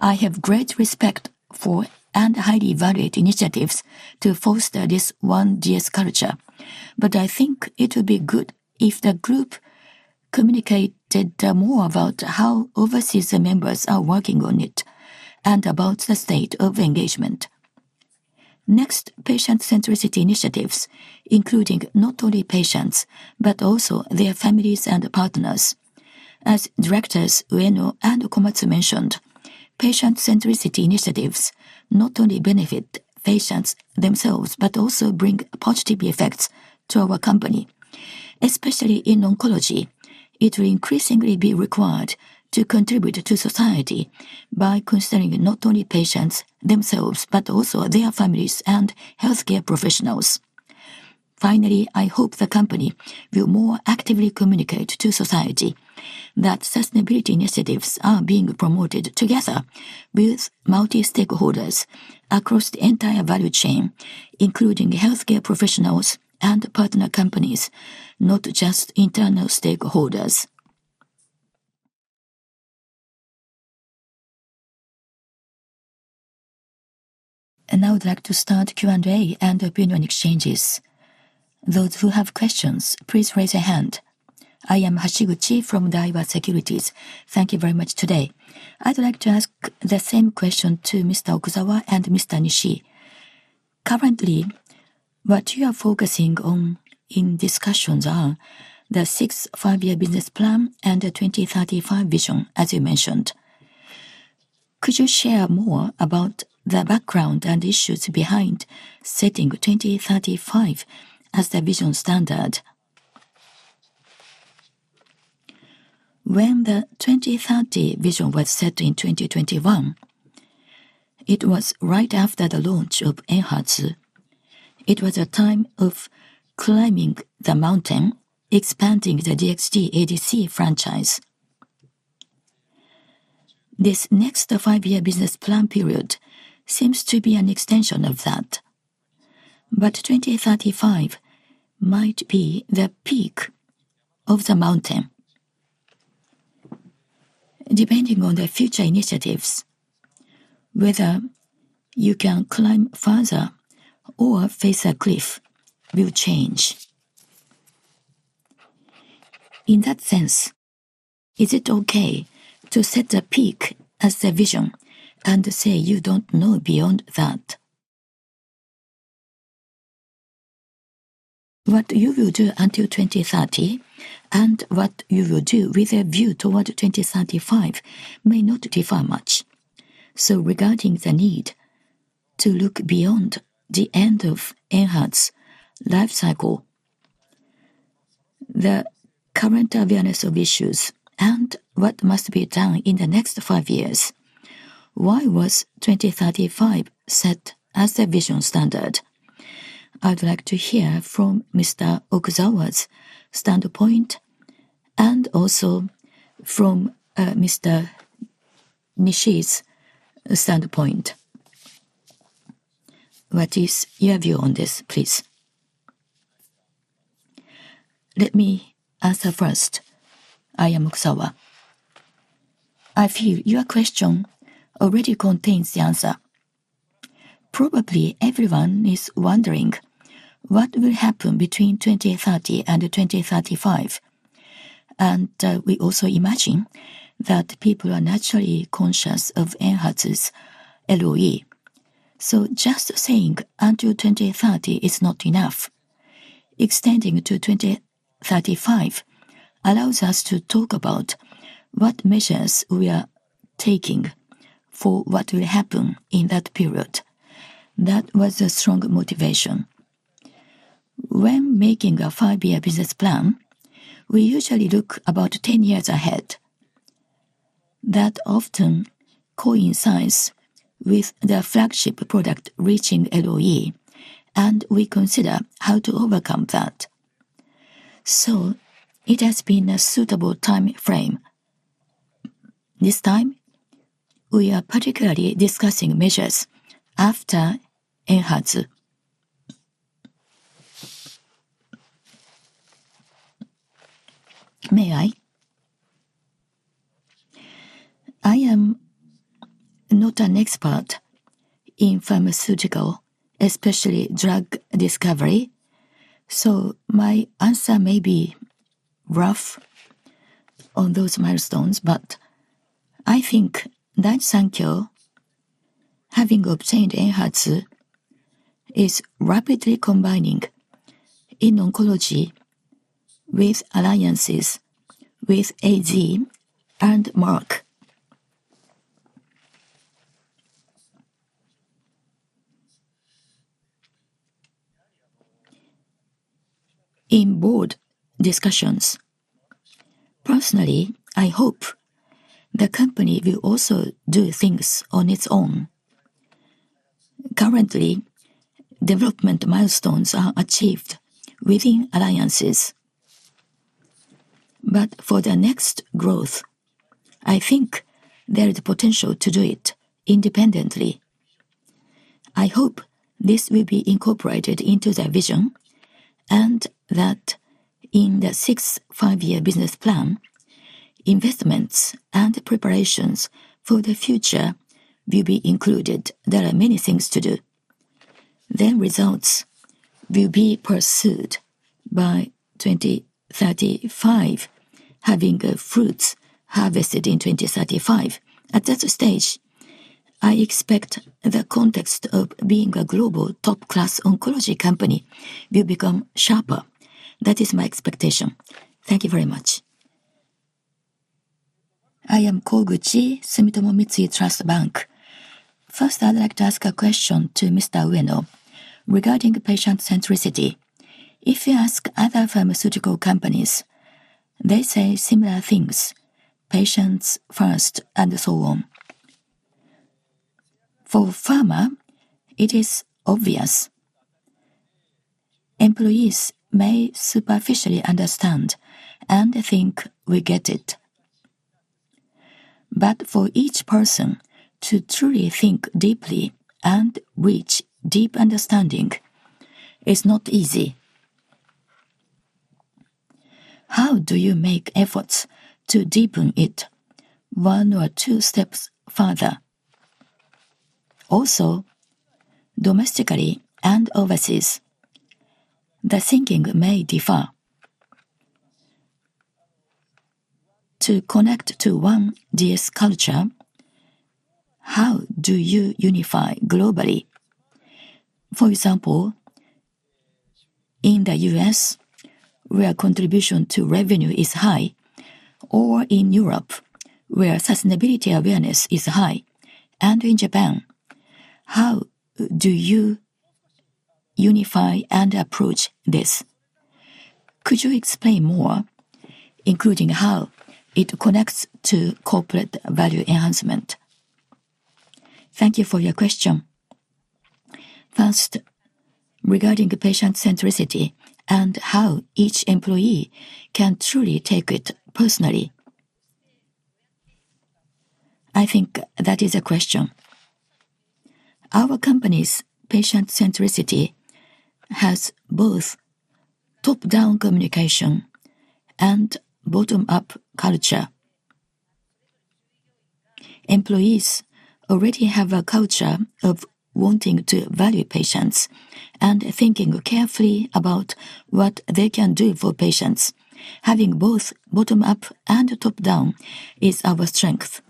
E: I have great respect for and highly valued initiatives to foster this One DS Culture, but I think it would be good if the group communicated more about how overseas members are working on it and about the state of engagement. Next, patient-centricity initiatives, including not only patients but also their families and partners. As directors Ueno and Komatsu mentioned, patient-centricity initiatives not only benefit patients themselves but also bring positive effects to our company. Especially in oncology, it will increasingly be required to contribute to society by considering not only patients themselves but also their families and healthcare professionals. Finally, I hope the company will more actively communicate to society that sustainability initiatives are being promoted together with multi-stakeholders across the entire value chain, including healthcare professionals and partner companies, not just internal stakeholders. And now I would like to start Q&A and opinion exchanges. Those who have questions, please raise your hand.
F: I am Hajime Hashiguchi from Daiwa Securities. Thank you very much today. I'd like to ask the same question to Mr. O kuzawa and Mr. Nishii. Currently, what you are focusing on in discussions are the sixth five-year business plan and the 2035 vision, as you mentioned. Could you share more about the background and issues behind setting 2035 as the vision standard? When the 2030 vision was set in 2021, it was right after the launch of Enhertu. It was a time of climbing the mountain, expanding the DXd ADC franchise. This next five-year business plan period seems to be an extension of that, but 2035 might be the peak of the mountain. Depending on the future initiatives, whether you can climb further or face a cliff will change. In that sense, is it okay to set the peak as the vision and say you don't know beyond that? What you will do until 2030 and what you will do with a view toward 2035 may not differ much. So regarding the need to look beyond the end of Enhertu's life cycle, the current awareness of issues and what must be done in the next five years, why was 2035 set as the vision standard? I'd like to hear from Mr. Okuzawa's standpoint and also from Mr. Nishii's standpoint. What is your view on this, please?
G: Let me answer first. I am Okuzawa. I feel your question already contains the answer. Probably everyone is wondering what will happen between 2030 and 2035, and we also imagine that people are naturally conscious of Enhertu's LOE, so just saying until 2030 is not enough. Extending to 2035 allows us to talk about what measures we are taking for what will happen in that period. That was a strong motivation. When making a five-year business plan, we usually look about 10 years ahead. That often coincides with the flagship product reaching LOE, and we consider how to overcome that, so it has been a suitable time frame. This time, we are particularly discussing measures after Enhertu. May I? I am not an expert in pharmaceuticals, especially drug discovery, so my answer may be rough on those milestones, but I think Daiichi Sankyo, having obtained Enhertu, is rapidly combining in oncology with alliances with AZ and Merck. In board discussions, personally, I hope the company will also do things on its own. Currently, development milestones are achieved within alliances, but for the next growth, I think there is potential to do it independently. I hope this will be incorporated into the vision and that in the sixth five-year business plan, investments and preparations for the future will be included. There are many things to do, then results will be pursued by 2035, having fruits harvested in 2035. At that stage, I expect the context of being a global top-class oncology company will become sharper. That is my expectation. Thank you very much.
H: I am Koguchi Sumitomo Mitsui Trust Bank. First, I'd like to ask a question to Mr. Ueno regarding patient-centricity. If you ask other pharmaceutical companies, they say similar things: patients first and so on. For pharma, it is obvious. Employees may superficially understand and think we get it. But for each person to truly think deeply and reach deep understanding is not easy. How do you make efforts to deepen it one or two steps further? Also, domestically and overseas, the thinking may differ. To connect to One DS Culture, how do you unify globally? For example, in the U.S., where contribution to revenue is high, or in Europe, where sustainability awareness is high, and in Japan, how do you unify and approach this? Could you explain more, including how it connects to corporate value enhancement?
B: Thank you for your question. First, regarding patient-centricity and how each employee can truly take it personally. I think that is a question. Our company's patient-centricity has both top-down communication and bottom-up culture. Employees already have a culture of wanting to value patients and thinking carefully about what they can do for patients. Having both bottom-up and top-down is our strength.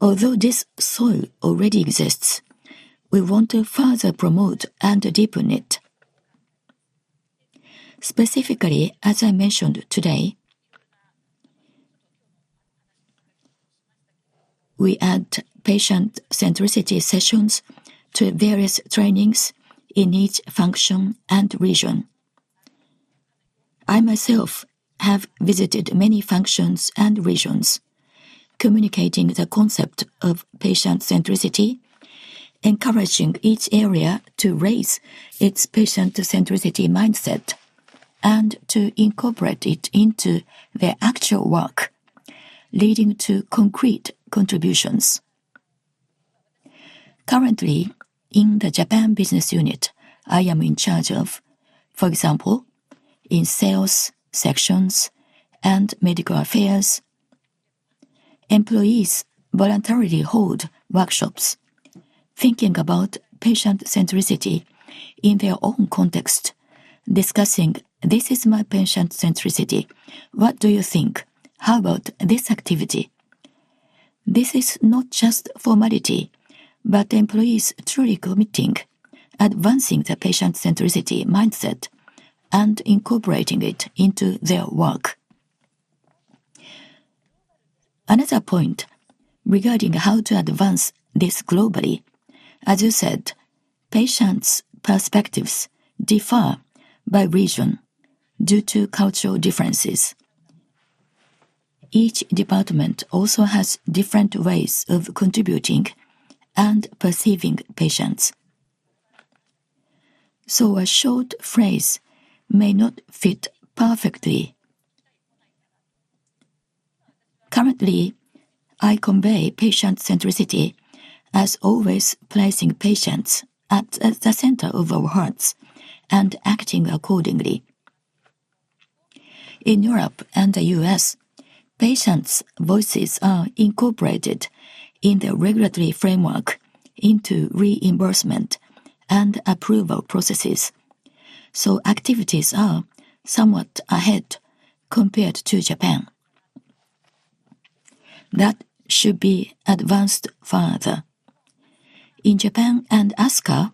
B: Although this soil already exists, we want to further promote and deepen it. Specifically, as I mentioned today, we add patient-centricity sessions to various trainings in each function and region. I myself have visited many functions and regions, communicating the concept of patient-centricity, encouraging each area to raise its patient-centricity mindset and to incorporate it into their actual work, leading to concrete contributions. Currently, in the Japan business unit, I am in charge of, for example, in sales sections and medical affairs, employees voluntarily hold workshops thinking about patient-centricity in their own context, discussing, "This is my patient-centricity. What do you think? How about this activity?" This is not just formality, but employees truly committing, advancing the patient-centricity mindset and incorporating it into their work. Another point regarding how to advance this globally, as you said, patients' perspectives differ by region due to cultural differences. Each department also has different ways of contributing and perceiving patients. So a short phrase may not fit perfectly. Currently, I convey patient-centricity as always placing patients at the center of our hearts and acting accordingly. In Europe and the U.S., patients' voices are incorporated in the regulatory framework into reimbursement and approval processes, so activities are somewhat ahead compared to Japan. That should be advanced further. In Japan and Asia,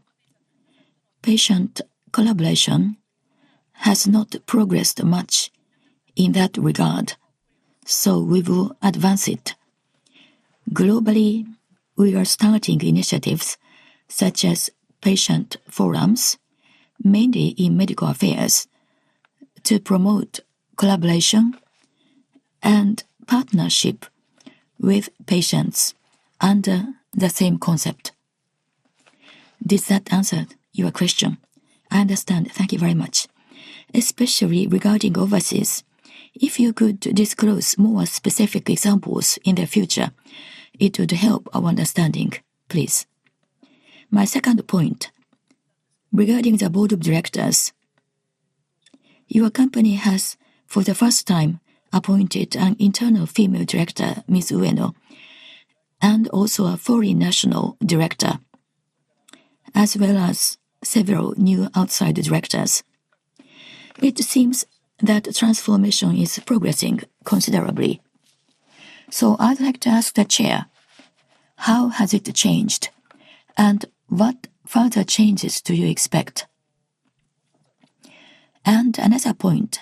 B: patient collaboration has not progressed much in that regard, so we will advance it. Globally, we are starting initiatives such as patient forums, mainly in medical affairs, to promote collaboration and partnership with patients under the same concept. Did that answer your question?
H: I understand. Thank you very much. Especially regarding overseas, if you could disclose more specific examples in the future, it would help our understanding, please. My second point regarding the board of directors, your company has for the first time appointed an internal female director, Ms. Ueno, and also a foreign national director, as well as several new outside directors. It seems that transformation is progressing considerably. So I'd like to ask the chair, how has it changed, and what further changes do you expect? And another point,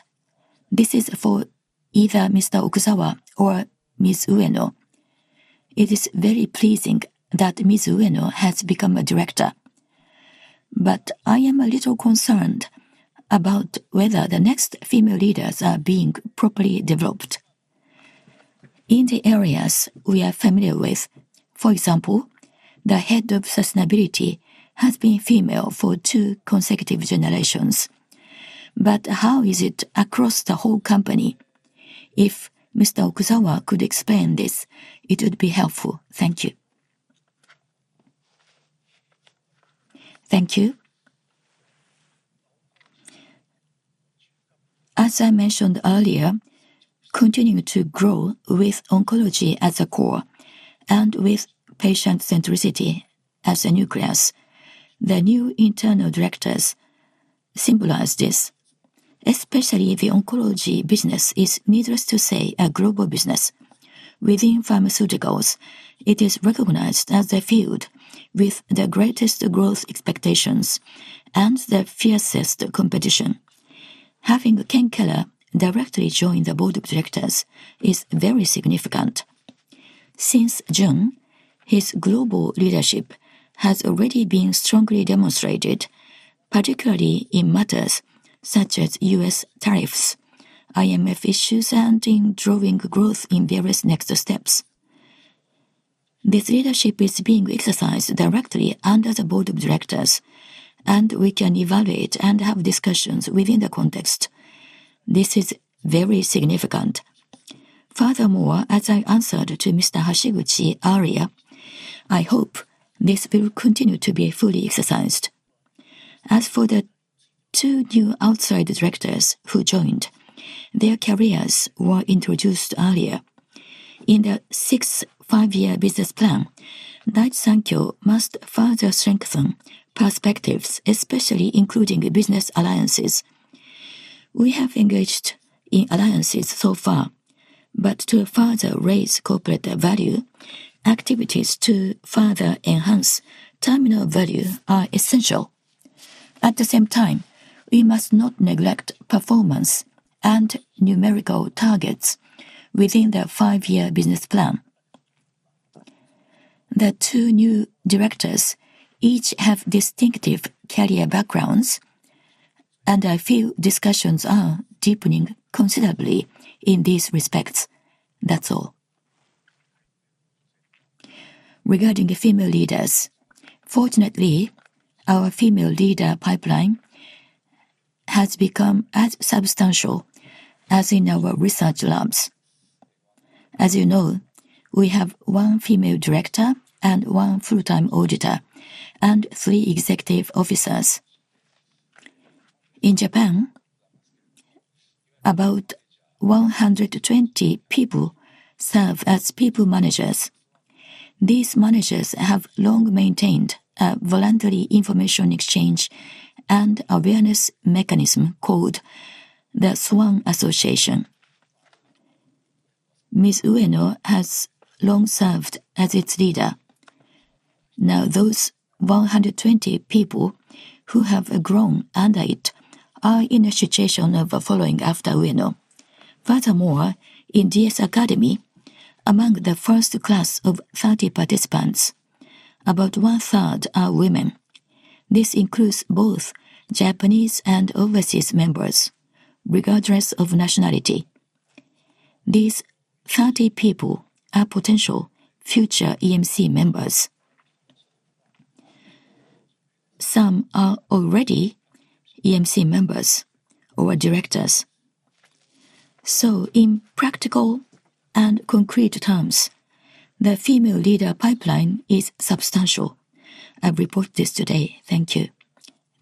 H: this is for either Mr. Okuzawa or Ms. Ueno. It is very pleasing that Ms. Ueno has become a director, but I am a little concerned about whether the next female leaders are being properly developed. In the areas we are familiar with, for example, the head of sustainability has been female for two consecutive generations. But how is it across the whole company? If Mr. Okuzawa could explain this, it would be helpful. Thank you.
G: Thank you. As I mentioned earlier, continuing to grow with oncology as a core and with patient-centricity as a nucleus, the new internal directors symbolize this. Especially the oncology business is needless to say a global business. Within pharmaceuticals, it is recognized as a field with the greatest growth expectations and the fiercest competition. Having Ken Keller directly join the board of directors is very significant. Since June, his global leadership has already been strongly demonstrated, particularly in matters such as U.S. tariffs, IMF issues, and in drawing growth in various next steps. This leadership is being exercised directly under the board of directors, and we can evaluate and have discussions within the context. This is very significant. Furthermore, as I answered to Mr. Hashiguchi earlier, I hope this will continue to be fully exercised. As for the two new outside directors who joined, their careers were introduced earlier. In the sixth five-year business plan, Daiichi Sankyo must further strengthen perspectives, especially including business alliances. We have engaged in alliances so far, but to further raise corporate value, activities to further enhance terminal value are essential. At the same time, we must not neglect performance and numerical targets within the five-year business plan. The two new directors each have distinctive career backgrounds, and I feel discussions are deepening considerably in these respects. That's all. Regarding female leaders, fortunately, our female leader pipeline has become as substantial as in our research labs. As you know, we have one female director and one full-time auditor and three executive officers. In Japan, about 120 people serve as people managers. These managers have long maintained a voluntary information exchange and awareness mechanism called the SWAN Association. Ms. Ueno has long served as its leader. Now, those 120 people who have grown under it are in a situation of following after Ueno. Furthermore, in DS Academy, among the first class of 30 participants, about one-third are women. This includes both Japanese and overseas members, regardless of nationality. These 30 people are potential future EMC members. Some are already EMC members or directors. So, in practical and concrete terms, the female leader pipeline is substantial. I've reported this today. Thank you.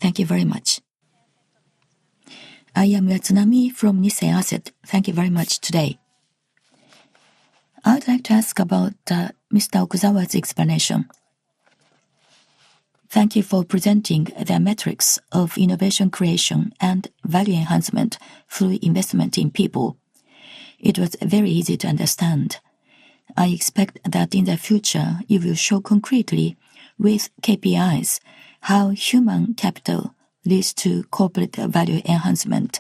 I: Thank you very much. I am Yatsunami from Nissay Asset. Thank you very much today. I'd like to ask about Mr. Okuzawa's explanation. Thank you for presenting the metrics of innovation creation and value enhancement through investment in people. It was very easy to understand. I expect that in the future, you will show concretely with KPIs how human capital leads to corporate value enhancement.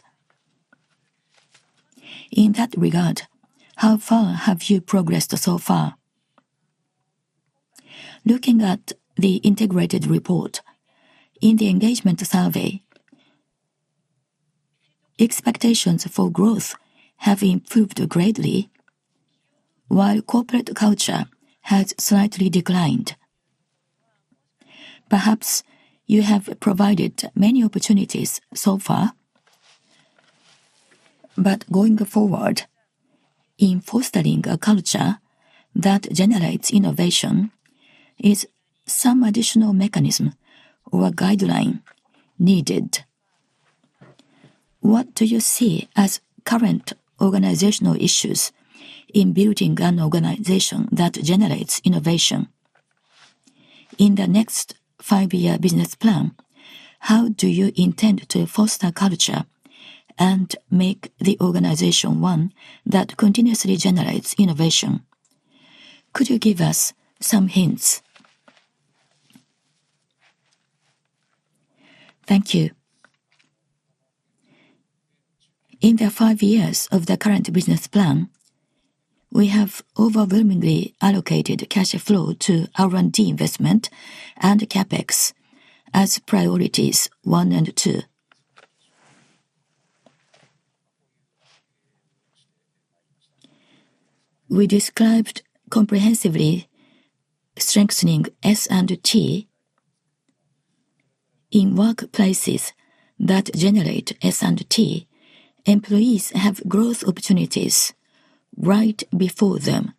I: In that regard, how far have you progressed so far? Looking at the integrated report, in the engagement survey, expectations for growth have improved greatly, while corporate culture has slightly declined. Perhaps you have provided many opportunities so far, but going forward, in fostering a culture that generates innovation, is some additional mechanism or guideline needed? What do you see as current organizational issues in building an organization that generates innovation? In the next five-year business plan, how do you intend to foster culture and make the organization one that continuously generates innovation? Could you give us some hints? Thank you.
G: In the five years of the current business plan, we have overwhelmingly allocated cash flow to R&D investment and CapEx as priorities one and two. We described comprehensively strengthening S&T. In workplaces that generate S&T, employees have growth opportunities right before them.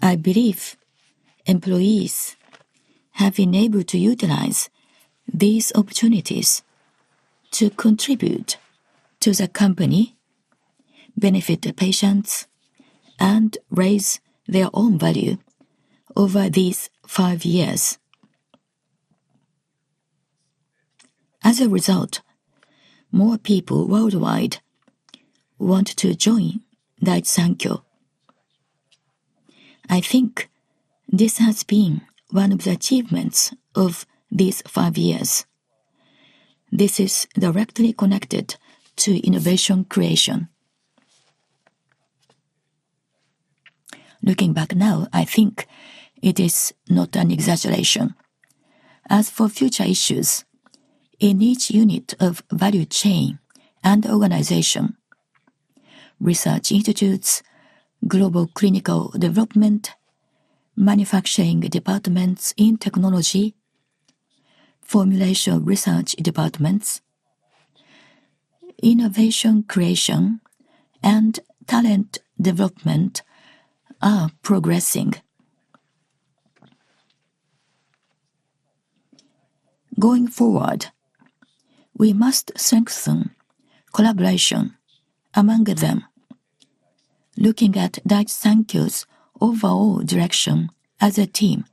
G: I believe employees have been able to utilize these opportunities to contribute to the company, benefit patients, and raise their own value over these five years. As a result, more people worldwide want to join Daiichi Sankyo. I think this has been one of the achievements of these five years. This is directly connected to innovation creation. Looking back now, I think it is not an exaggeration. As for future issues, in each unit of value chain and organization, research institutes, global clinical development, manufacturing departments in technology, formulation research departments, innovation creation, and talent development are progressing. Going forward, we must strengthen collaboration among them, looking at Daiichi Sankyo's overall direction as a team.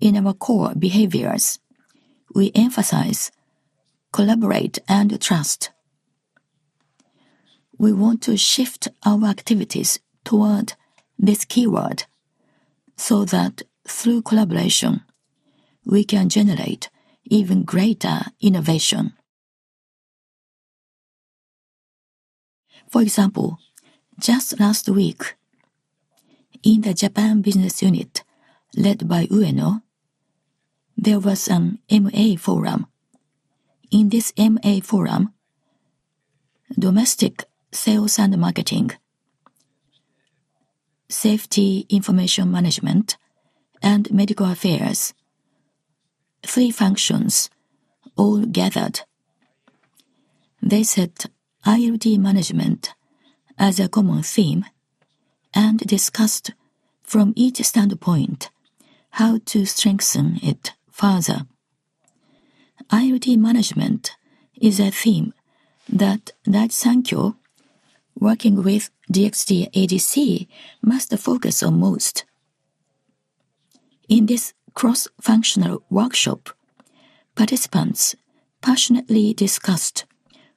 G: In our core behaviors, we emphasize collaborate and trust. We want to shift our activities toward this keyword so that through collaboration, we can generate even greater innovation. For example, just last week, in the Japan business unit led by Ueno, there was an MA forum. In this MA forum, domestic sales and marketing, safety information management, and medical affairs, three functions all gathered. They set IoT management as a common theme and discussed from each standpoint how to strengthen it further. IoT management is a theme that Daiichi Sankyo, working with DXd ADC, must focus on most. In this cross-functional workshop, participants passionately discussed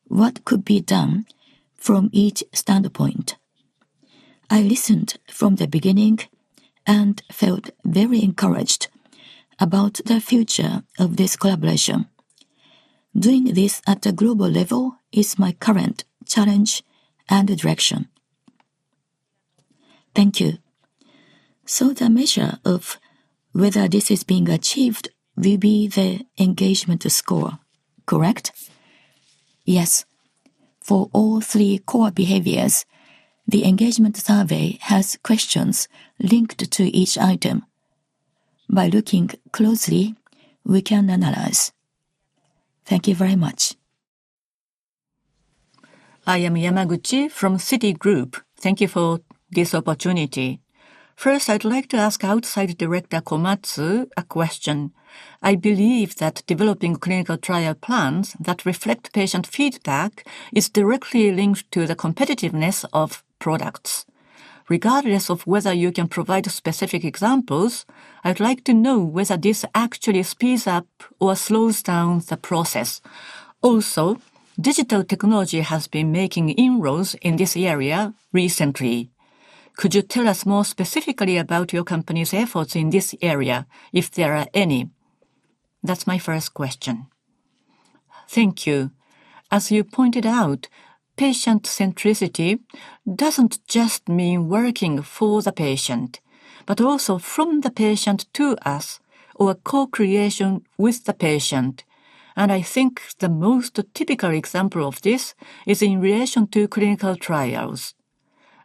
G: what could be done from each standpoint. I listened from the beginning and felt very encouraged about the future of this collaboration. Doing this at a global level is my current challenge and direction. Thank you.
I: So the measure of whether this is being achieved will be the engagement score, correct?
G: Yes. For all three core behaviors, the engagement survey has questions linked to each item. By looking closely, we can analyze.
J: Thank you very much. I am Yamaguchi from Citigroup. Thank you for this opportunity. First, I'd like to ask Outside Director Komatsu a question. I believe that developing clinical trial plans that reflect patient feedback is directly linked to the competitiveness of products. Regardless of whether you can provide specific examples, I'd like to know whether this actually speeds up or slows down the process. Also, digital technology has been making inroads in this area recently. Could you tell us more specifically about your company's efforts in this area, if there are any? That's my first question. Thank you.
B: As you pointed out, patient-centricity doesn't just mean working for the patient, but also from the patient to us or co-creation with the patient, and I think the most typical example of this is in relation to clinical trials.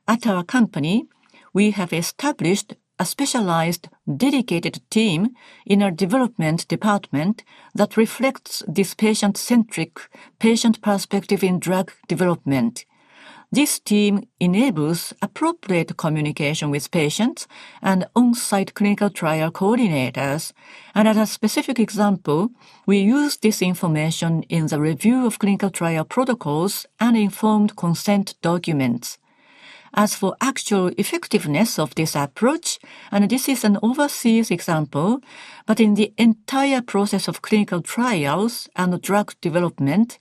B: At our company, we have established a specialized dedicated team in our development department that reflects this patient-centric patient perspective in drug development. This team enables appropriate communication with patients and on-site clinical trial coordinators, and as a specific example, we use this information in the review of clinical trial protocols and informed consent documents. As for actual effectiveness of this approach, and this is an overseas example, but in the entire process of clinical trials and drug development,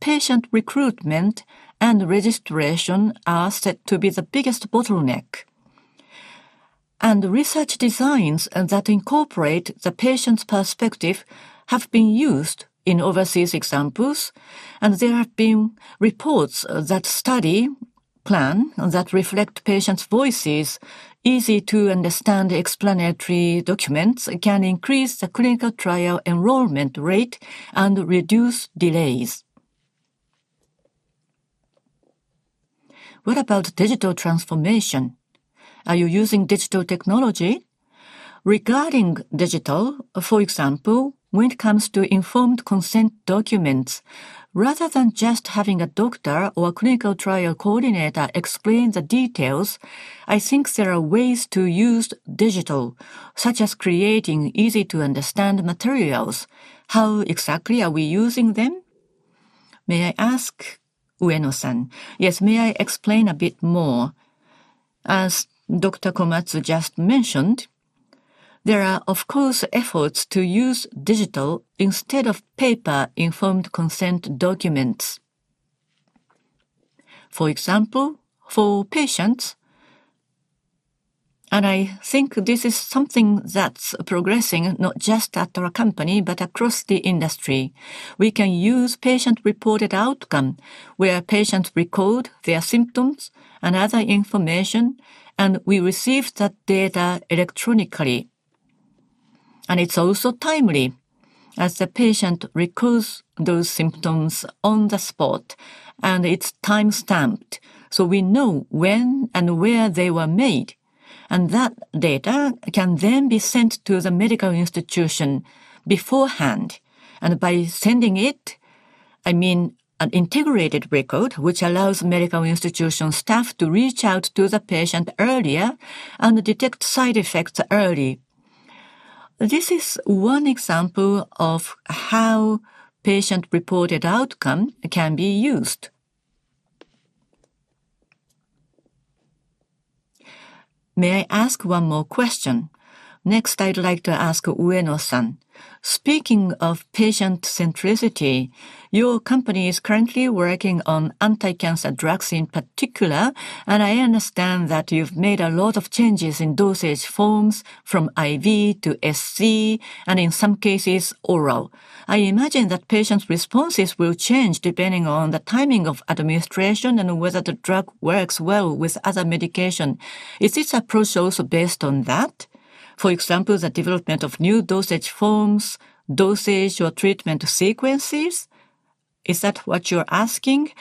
B: patient recruitment and registration are said to be the biggest bottleneck, and research designs that incorporate the patient's perspective have been used in overseas examples, and there have been reports that study plans that reflect patients' voices, easy to understand explanatory documents, can increase the clinical trial enrollment rate and reduce delays.
J: What about digital transformation? Are you using digital technology?
E: Regarding digital, for example, when it comes to informed consent documents, rather than just having a doctor or a clinical trial coordinator explain the details, I think there are ways to use digital, such as creating easy-to-understand materials. How exactly are we using them? May I ask? Ueno-san. Yes, may I explain a bit more? As Dr. Komatsu just mentioned, there are, of course, efforts to use digital instead of paper informed consent documents. For example, for patients, and I think this is something that's progressing not just at our company, but across the industry. We can use patient-reported outcome where patients record their symptoms and other information, and we receive that data electronically. And it's also timely as the patient records those symptoms on the spot, and it's timestamped, so we know when and where they were made. And that data can then be sent to the medical institution beforehand. And by sending it, I mean an integrated record, which allows medical institution staff to reach out to the patient earlier and detect side effects early. This is one example of how patient-reported outcome can be used. May I ask one more question? Next, I'd like to ask Ueno-san. Speaking of patient-centricity, your company is currently working on anti-cancer drugs in particular, and I understand that you've made a lot of changes in dosage forms from IV to SC and in some cases oral. I imagine that patients' responses will change depending on the timing of administration and whether the drug works well with other medication. Is this approach also based on that? For example, the development of new dosage forms, dosage, or treatment sequences? Is that what you're asking?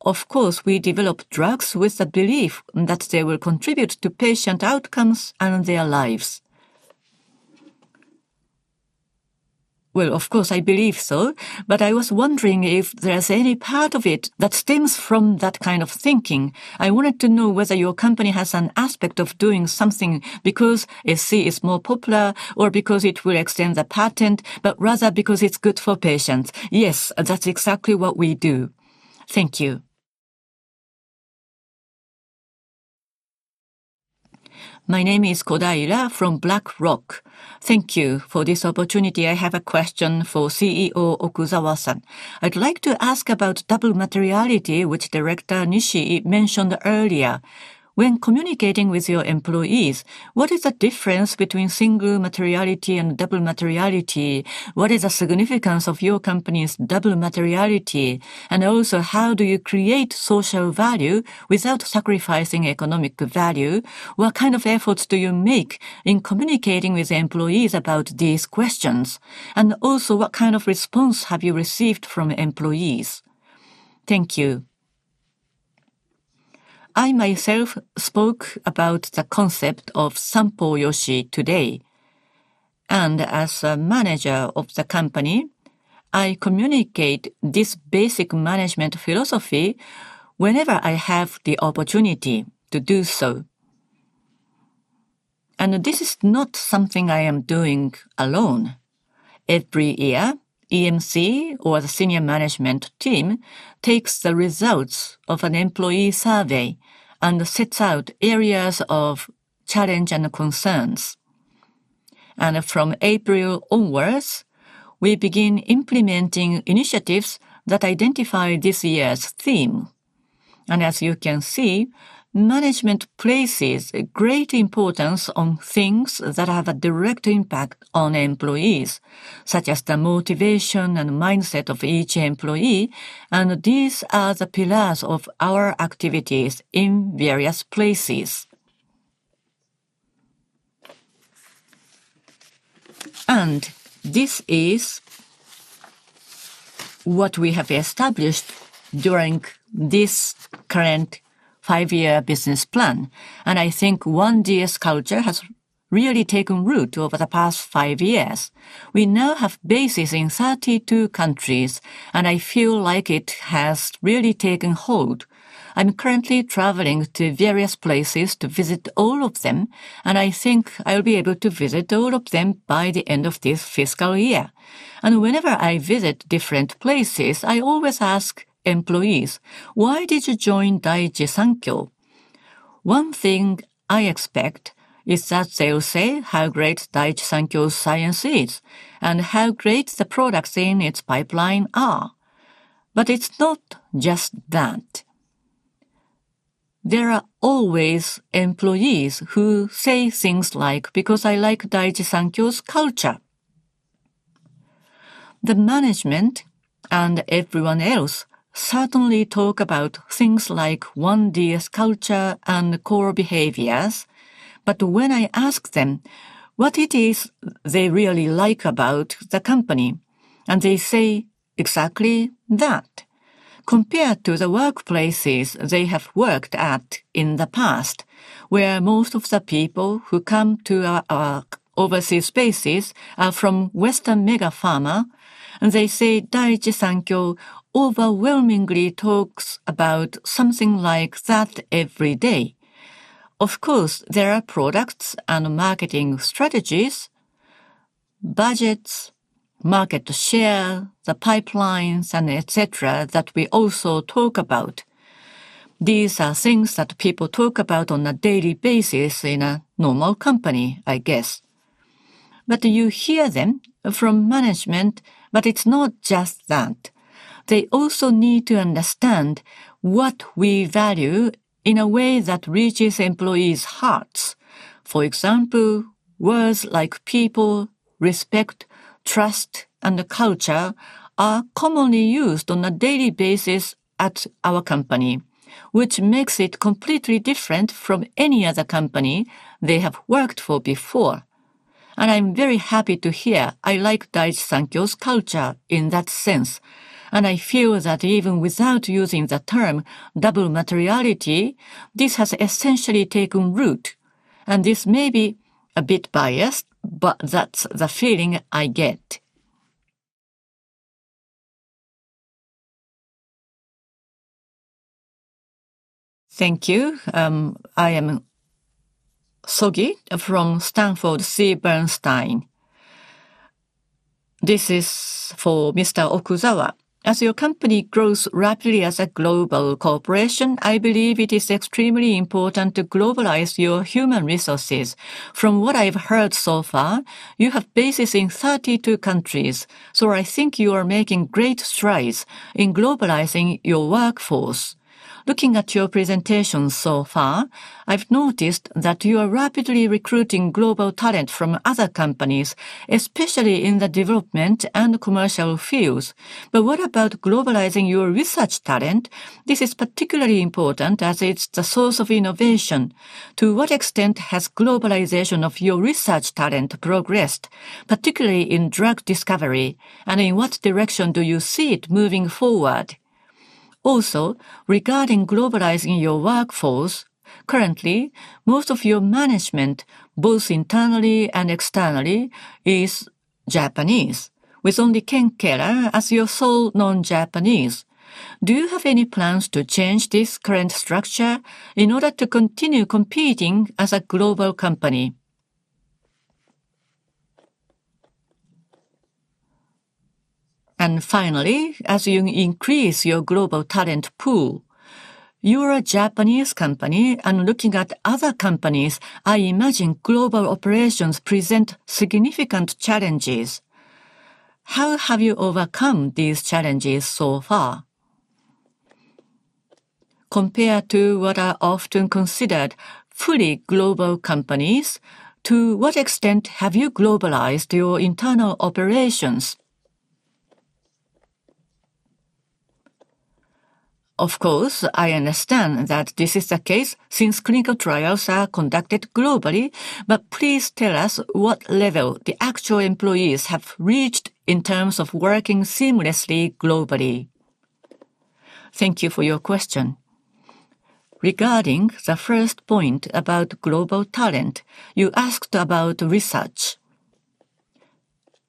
E: Of course, we develop drugs with the belief that they will contribute to patient outcomes and their lives. Well, of course, I believe so, but I was wondering if there's any part of it that stems from that kind of thinking. I wanted to know whether your company has an aspect of doing something because SC is more popular or because it will extend the patent, but rather because it's good for patients. Yes, that's exactly what we do. Thank you. My name is Kodaira from BlackRock. Thank you for this opportunity. I have a question for CEO Okuzawa-san. I'd like to ask about double materiality, which Director Nishii mentioned earlier. When communicating with your employees, what is the difference between single materiality and double materiality? What is the significance of your company's double materiality? And also, how do you create social value without sacrificing economic value? What kind of efforts do you make in communicating with employees about these questions? And also, what kind of response have you received from employees?
B: Thank you. I myself spoke about the concept of Sampo-yoshi today. And as a manager of the company, I communicate this basic management philosophy whenever I have the opportunity to do so. And this is not something I am doing alone. Every year, EMC or the senior management team takes the results of an employee survey and sets out areas of challenge and concerns. And from April onwards, we begin implementing initiatives that identify this year's theme. And as you can see, management places great importance on things that have a direct impact on employees, such as the motivation and mindset of each employee. And these are the pillars of our activities in various places. This is what we have established during this current five-year business plan. I think One DS Culture has really taken root over the past five years. We now have bases in 32 countries, and I feel like it has really taken hold. I'm currently traveling to various places to visit all of them, and I think I'll be able to visit all of them by the end of this fiscal year. Whenever I visit different places, I always ask employees, "Why did you join Daiichi Sankyo?" One thing I expect is that they'll say how great Daiichi Sankyo's science is and how great the products in its pipeline are. But it's not just that. There are always employees who say things like, "Because I like Daiichi Sankyo's culture." The management and everyone else certainly talk about things like One DS Culture and core behaviors. But when I ask them what it is they really like about the company, they say exactly that, compared to the workplaces they have worked at in the past, where most of the people who come to our overseas bases are from Western megapharma. And they say Daiichi Sankyo overwhelmingly talks about something like that every day. Of course, there are products and marketing strategies, budgets, market share, the pipelines, and etc. that we also talk about. These are things that people talk about on a daily basis in a normal company, I guess. But you hear them from management, but it's not just that. They also need to understand what we value in a way that reaches employees' hearts. For example, words like people, respect, trust, and culture are commonly used on a daily basis at our company, which makes it completely different from any other company they have worked for before, and I'm very happy to hear I like Daiichi Sankyo's culture in that sense, and I feel that even without using the term double materiality, this has essentially taken root, and this may be a bit biased, but that's the feeling I get.
K: Thank you. I am Sogi from Sanford C. Bernstein. This is for Mr. Okuzawa. As your company grows rapidly as a global corporation, I believe it is extremely important to globalize your human resources. From what I've heard so far, you have bases in 32 countries, so I think you are making great strides in globalizing your workforce. Looking at your presentation so far, I've noticed that you are rapidly recruiting global talent from other companies, especially in the development and commercial fields. But what about globalizing your research talent? This is particularly important as it's the source of innovation. To what extent has globalization of your research talent progressed, particularly in drug discovery? And in what direction do you see it moving forward? Also, regarding globalizing your workforce, currently, most of your management, both internally and externally, is Japanese, with only Ken Keller as your sole non-Japanese. Do you have any plans to change this current structure in order to continue competing as a global company? And finally, as you increase your global talent pool, you are a Japanese company, and looking at other companies, I imagine global operations present significant challenges. How have you overcome these challenges so far? Compared to what are often considered fully global companies, to what extent have you globalized your internal operations?
G: Of course, I understand that this is the case since clinical trials are conducted globally, but please tell us what level the actual employees have reached in terms of working seamlessly globally. Thank you for your question. Regarding the first point about global talent, you asked about research.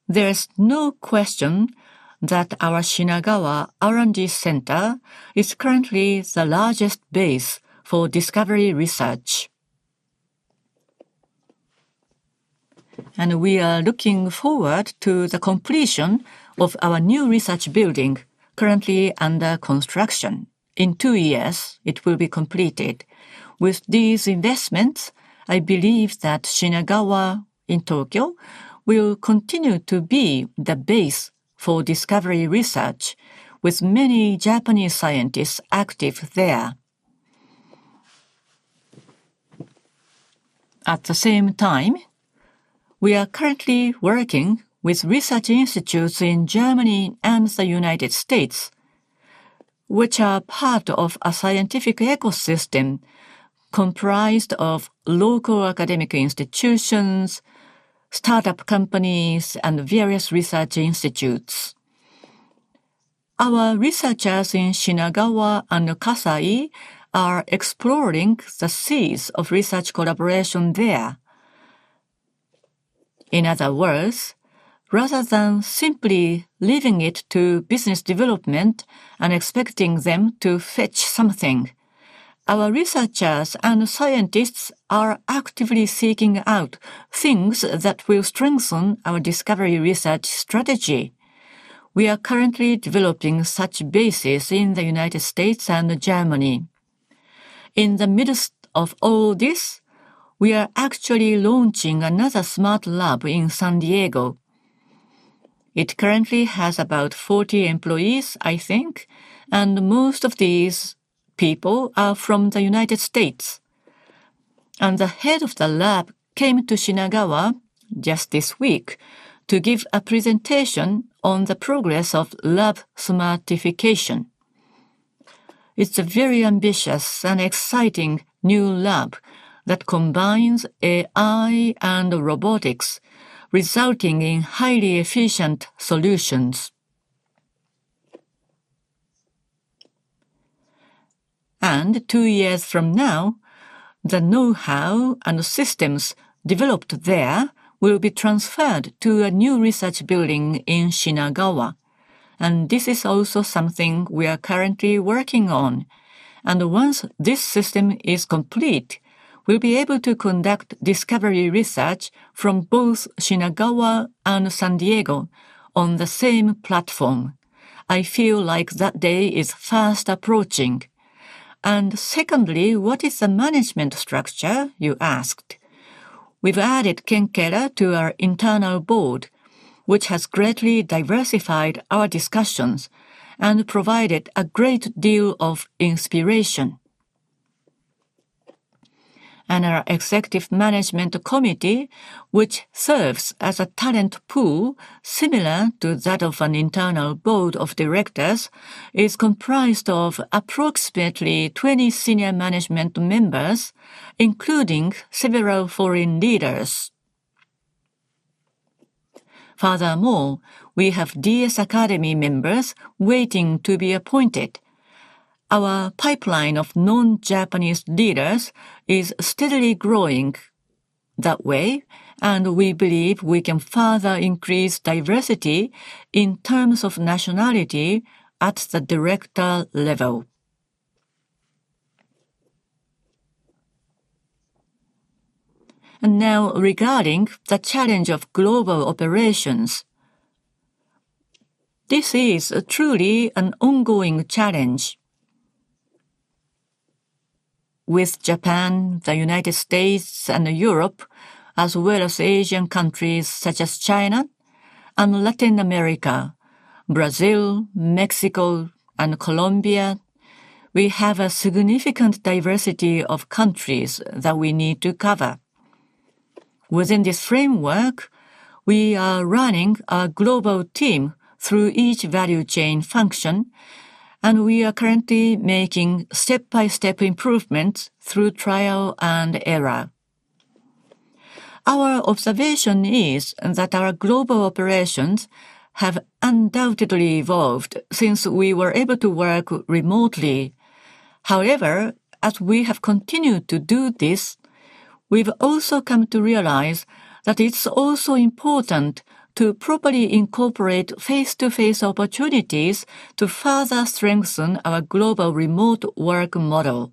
G: There's no question that our Shinagawa R&D Center is currently the largest base for discovery research, and we are looking forward to the completion of our new research building, currently under construction. In two years, it will be completed. With these investments, I believe that Shinagawa in Tokyo will continue to be the base for discovery research, with many Japanese scientists active there. At the same time, we are currently working with research institutes in Germany and the United States, which are part of a scientific ecosystem comprised of local academic institutions, startup companies, and various research institutes. Our researchers in Shinagawa and Kasai are exploring the seeds of research collaboration there. In other words, rather than simply leaving it to business development and expecting them to fetch something, our researchers and scientists are actively seeking out things that will strengthen our discovery research strategy. We are currently developing such bases in the United States and Germany. In the midst of all this, we are actually launching another smart lab in San Diego. It currently has about 40 employees, I think, and most of these people are from the United States, and the head of the lab came to Shinagawa just this week to give a presentation on the progress of lab smartification. It's a very ambitious and exciting new lab that combines AI and robotics, resulting in highly efficient solutions. And two years from now, the know-how and systems developed there will be transferred to a new research building in Shinagawa. And this is also something we are currently working on. And once this system is complete, we'll be able to conduct discovery research from both Shinagawa and San Diego on the same platform. I feel like that day is fast approaching. And secondly, what is the management structure, you asked? We've added Ken Keller to our internal board, which has greatly diversified our discussions and provided a great deal of inspiration. And our executive management committee, which serves as a talent pool similar to that of an internal board of directors, is comprised of approximately 20 senior management members, including several foreign leaders. Furthermore, we have DS Academy members waiting to be appointed. Our pipeline of non-Japanese leaders is steadily growing that way, and we believe we can further increase diversity in terms of nationality at the director level, and now, regarding the challenge of global operations, this is truly an ongoing challenge with Japan, the United States, and Europe, as well as Asian countries such as China and Latin America, Brazil, Mexico, and Colombia. We have a significant diversity of countries that we need to cover. Within this framework, we are running a global team through each value chain function, and we are currently making step-by-step improvements through trial and error. Our observation is that our global operations have undoubtedly evolved since we were able to work remotely. However, as we have continued to do this, we've also come to realize that it's also important to properly incorporate face-to-face opportunities to further strengthen our global remote work model.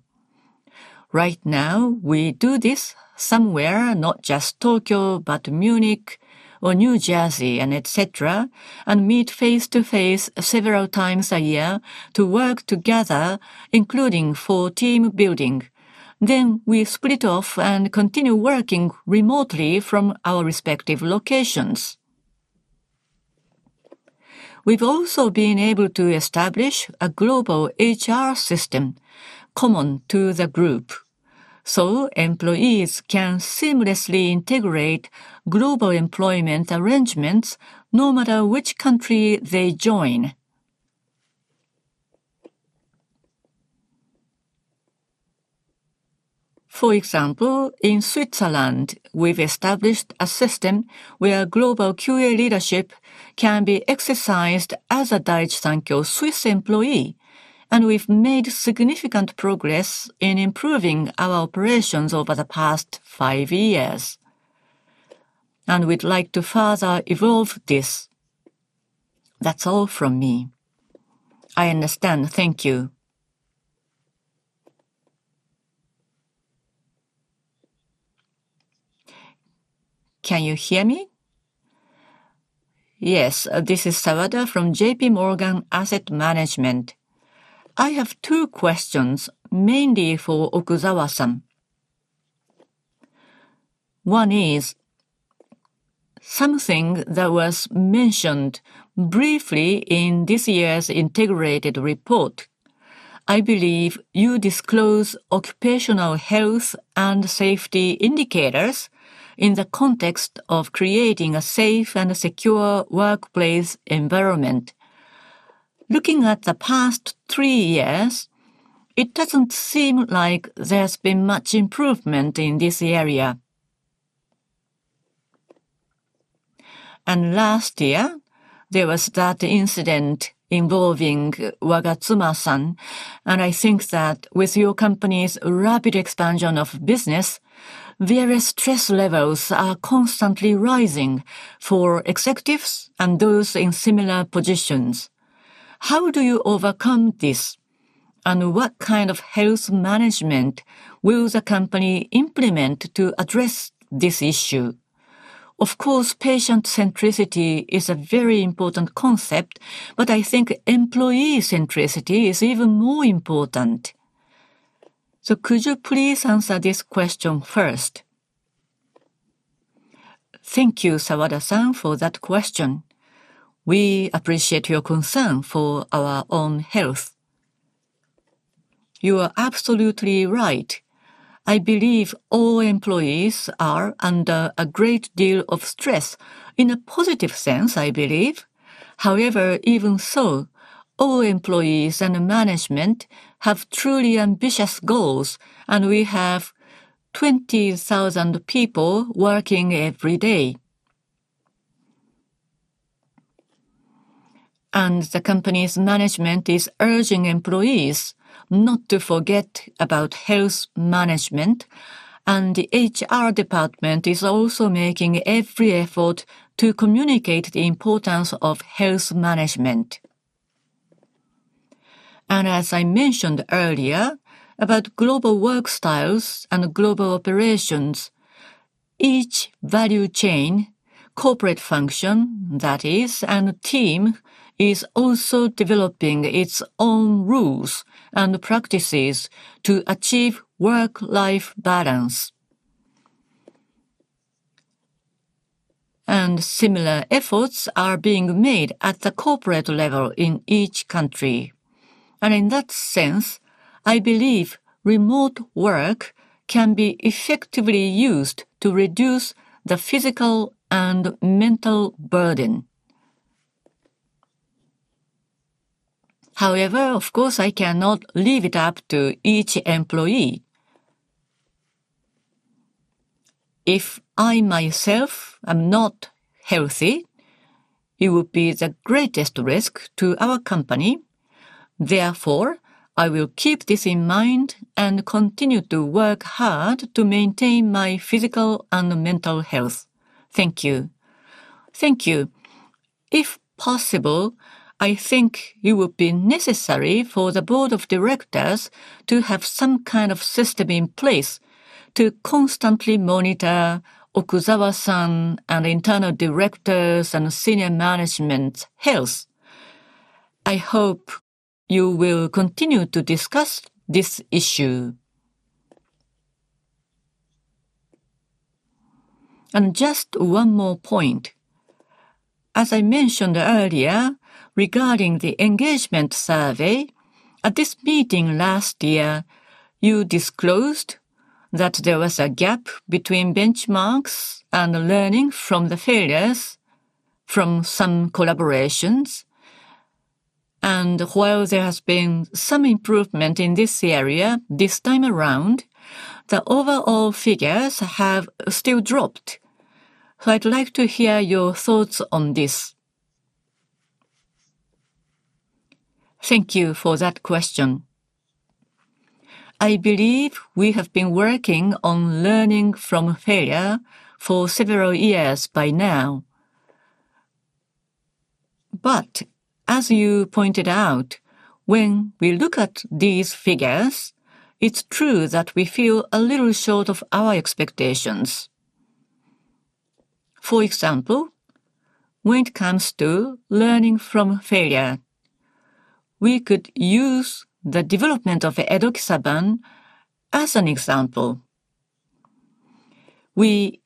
G: Right now, we do this somewhere, not just Tokyo, but Munich or New Jersey, and etc., and meet face-to-face several times a year to work together, including for team building. Then we split off and continue working remotely from our respective locations. We've also been able to establish a global HR system common to the group, so employees can seamlessly integrate global employment arrangements no matter which country they join. For example, in Switzerland, we've established a system where global QA leadership can be exercised as a Daiichi Sankyo Swiss employee, and we've made significant progress in improving our operations over the past five years, and we'd like to further evolve this. That's all from me. I understand. Thank you.
B: Can you hear me? Yes, this is Sawada from J.P. Morgan Asset Management. I have two questions, mainly for Okuzawa-san. One is something that was mentioned briefly in this year's integrated report. I believe you disclose occupational health and safety indicators in the context of creating a safe and secure workplace environment. Looking at the past three years, it doesn't seem like there's been much improvement in this area, and last year, there was that incident involving Agatsuma-san, and I think that with your company's rapid expansion of business, various stress levels are constantly rising for executives and those in similar positions. How do you overcome this, and what kind of health management will the company implement to address this issue? Of course, patient centricity is a very important concept, but I think employee centricity is even more important, so could you please answer this question first?
G: Thank you, Sawada-san, for that question. We appreciate your concern for our own health. You are absolutely right. I believe all employees are under a great deal of stress in a positive sense, I believe. However, even so, all employees and management have truly ambitious goals, and we have 20,000 people working every day, and the company's management is urging employees not to forget about health management, and the HR department is also making every effort to communicate the importance of health management. And as I mentioned earlier, about global work styles and global operations, each value chain, corporate function, that is, and team is also developing its own rules and practices to achieve work-life balance, and similar efforts are being made at the corporate level in each country, and in that sense, I believe remote work can be effectively used to reduce the physical and mental burden. However, of course, I cannot leave it up to each employee. If I myself am not healthy, it would be the greatest risk to our company. Therefore, I will keep this in mind and continue to work hard to maintain my physical and mental health. Thank you.
L: Thank you. If possible, I think it would be necessary for the board of directors to have some kind of system in place to constantly monitor Okuzawa-san and internal directors and senior management's health. I hope you will continue to discuss this issue and just one more point. As I mentioned earlier, regarding the engagement survey, at this meeting last year, you disclosed that there was a gap between benchmarks and learning from the failures from some collaborations and while there has been some improvement in this area this time around, the overall figures have still dropped.
B: So I'd like to hear your thoughts on this. Thank you for that question. I believe we have been working on learning from failure for several years by now. But as you pointed out, when we look at these figures, it's true that we fell a little short of our expectations. For example, when it comes to learning from failure, we could use the development of edoxaban as an example. We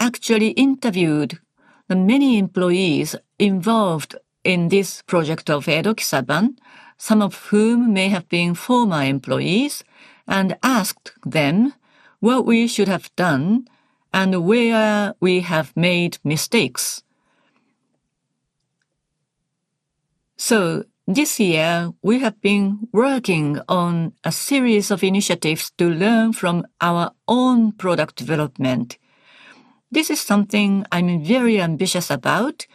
B: actually interviewed the many employees involved in this project of edoxaban, some of whom may have been former employees, and asked them what we should have done and where we have made mistakes. So this year, we have been working on a series of initiatives to learn from our own product development. This is something I'm very ambitious about,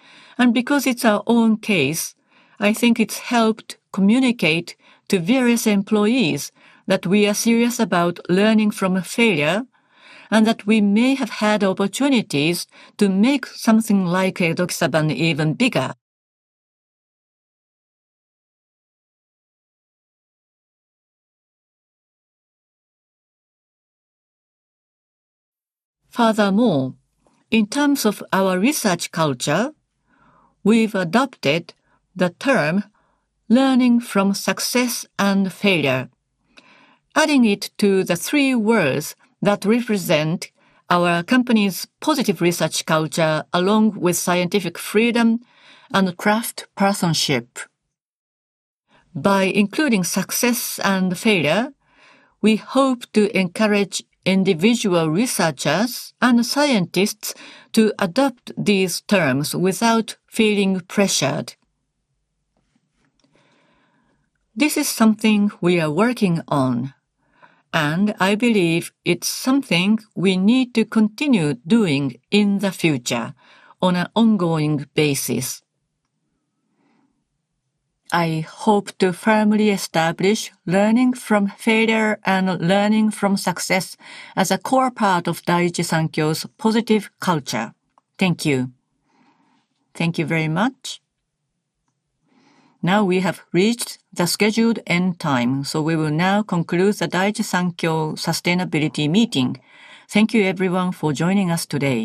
B: and because it's our own case, I think it's helped communicate to various employees that we are serious about learning from failure and that we may have had opportunities to make something like edoxaban even bigger. Furthermore, in terms of our research culture, we've adopted the term learning from success and failure, adding it to the three words that represent our company's positive research culture along with scientific freedom and craftsmanship. By including success and failure, we hope to encourage individual researchers and scientists to adopt these terms without feeling pressured. This is something we are working on, and I believe it's something we need to continue doing in the future on an ongoing basis. I hope to firmly establish learning from failure and learning from success as a core part of Daiichi Sankyo's positive culture. Thank you. Thank you very much. Now we have reached the scheduled end time, so we will now conclude the Daiichi Sankyo sustainability meeting. Thank you, everyone, for joining us today.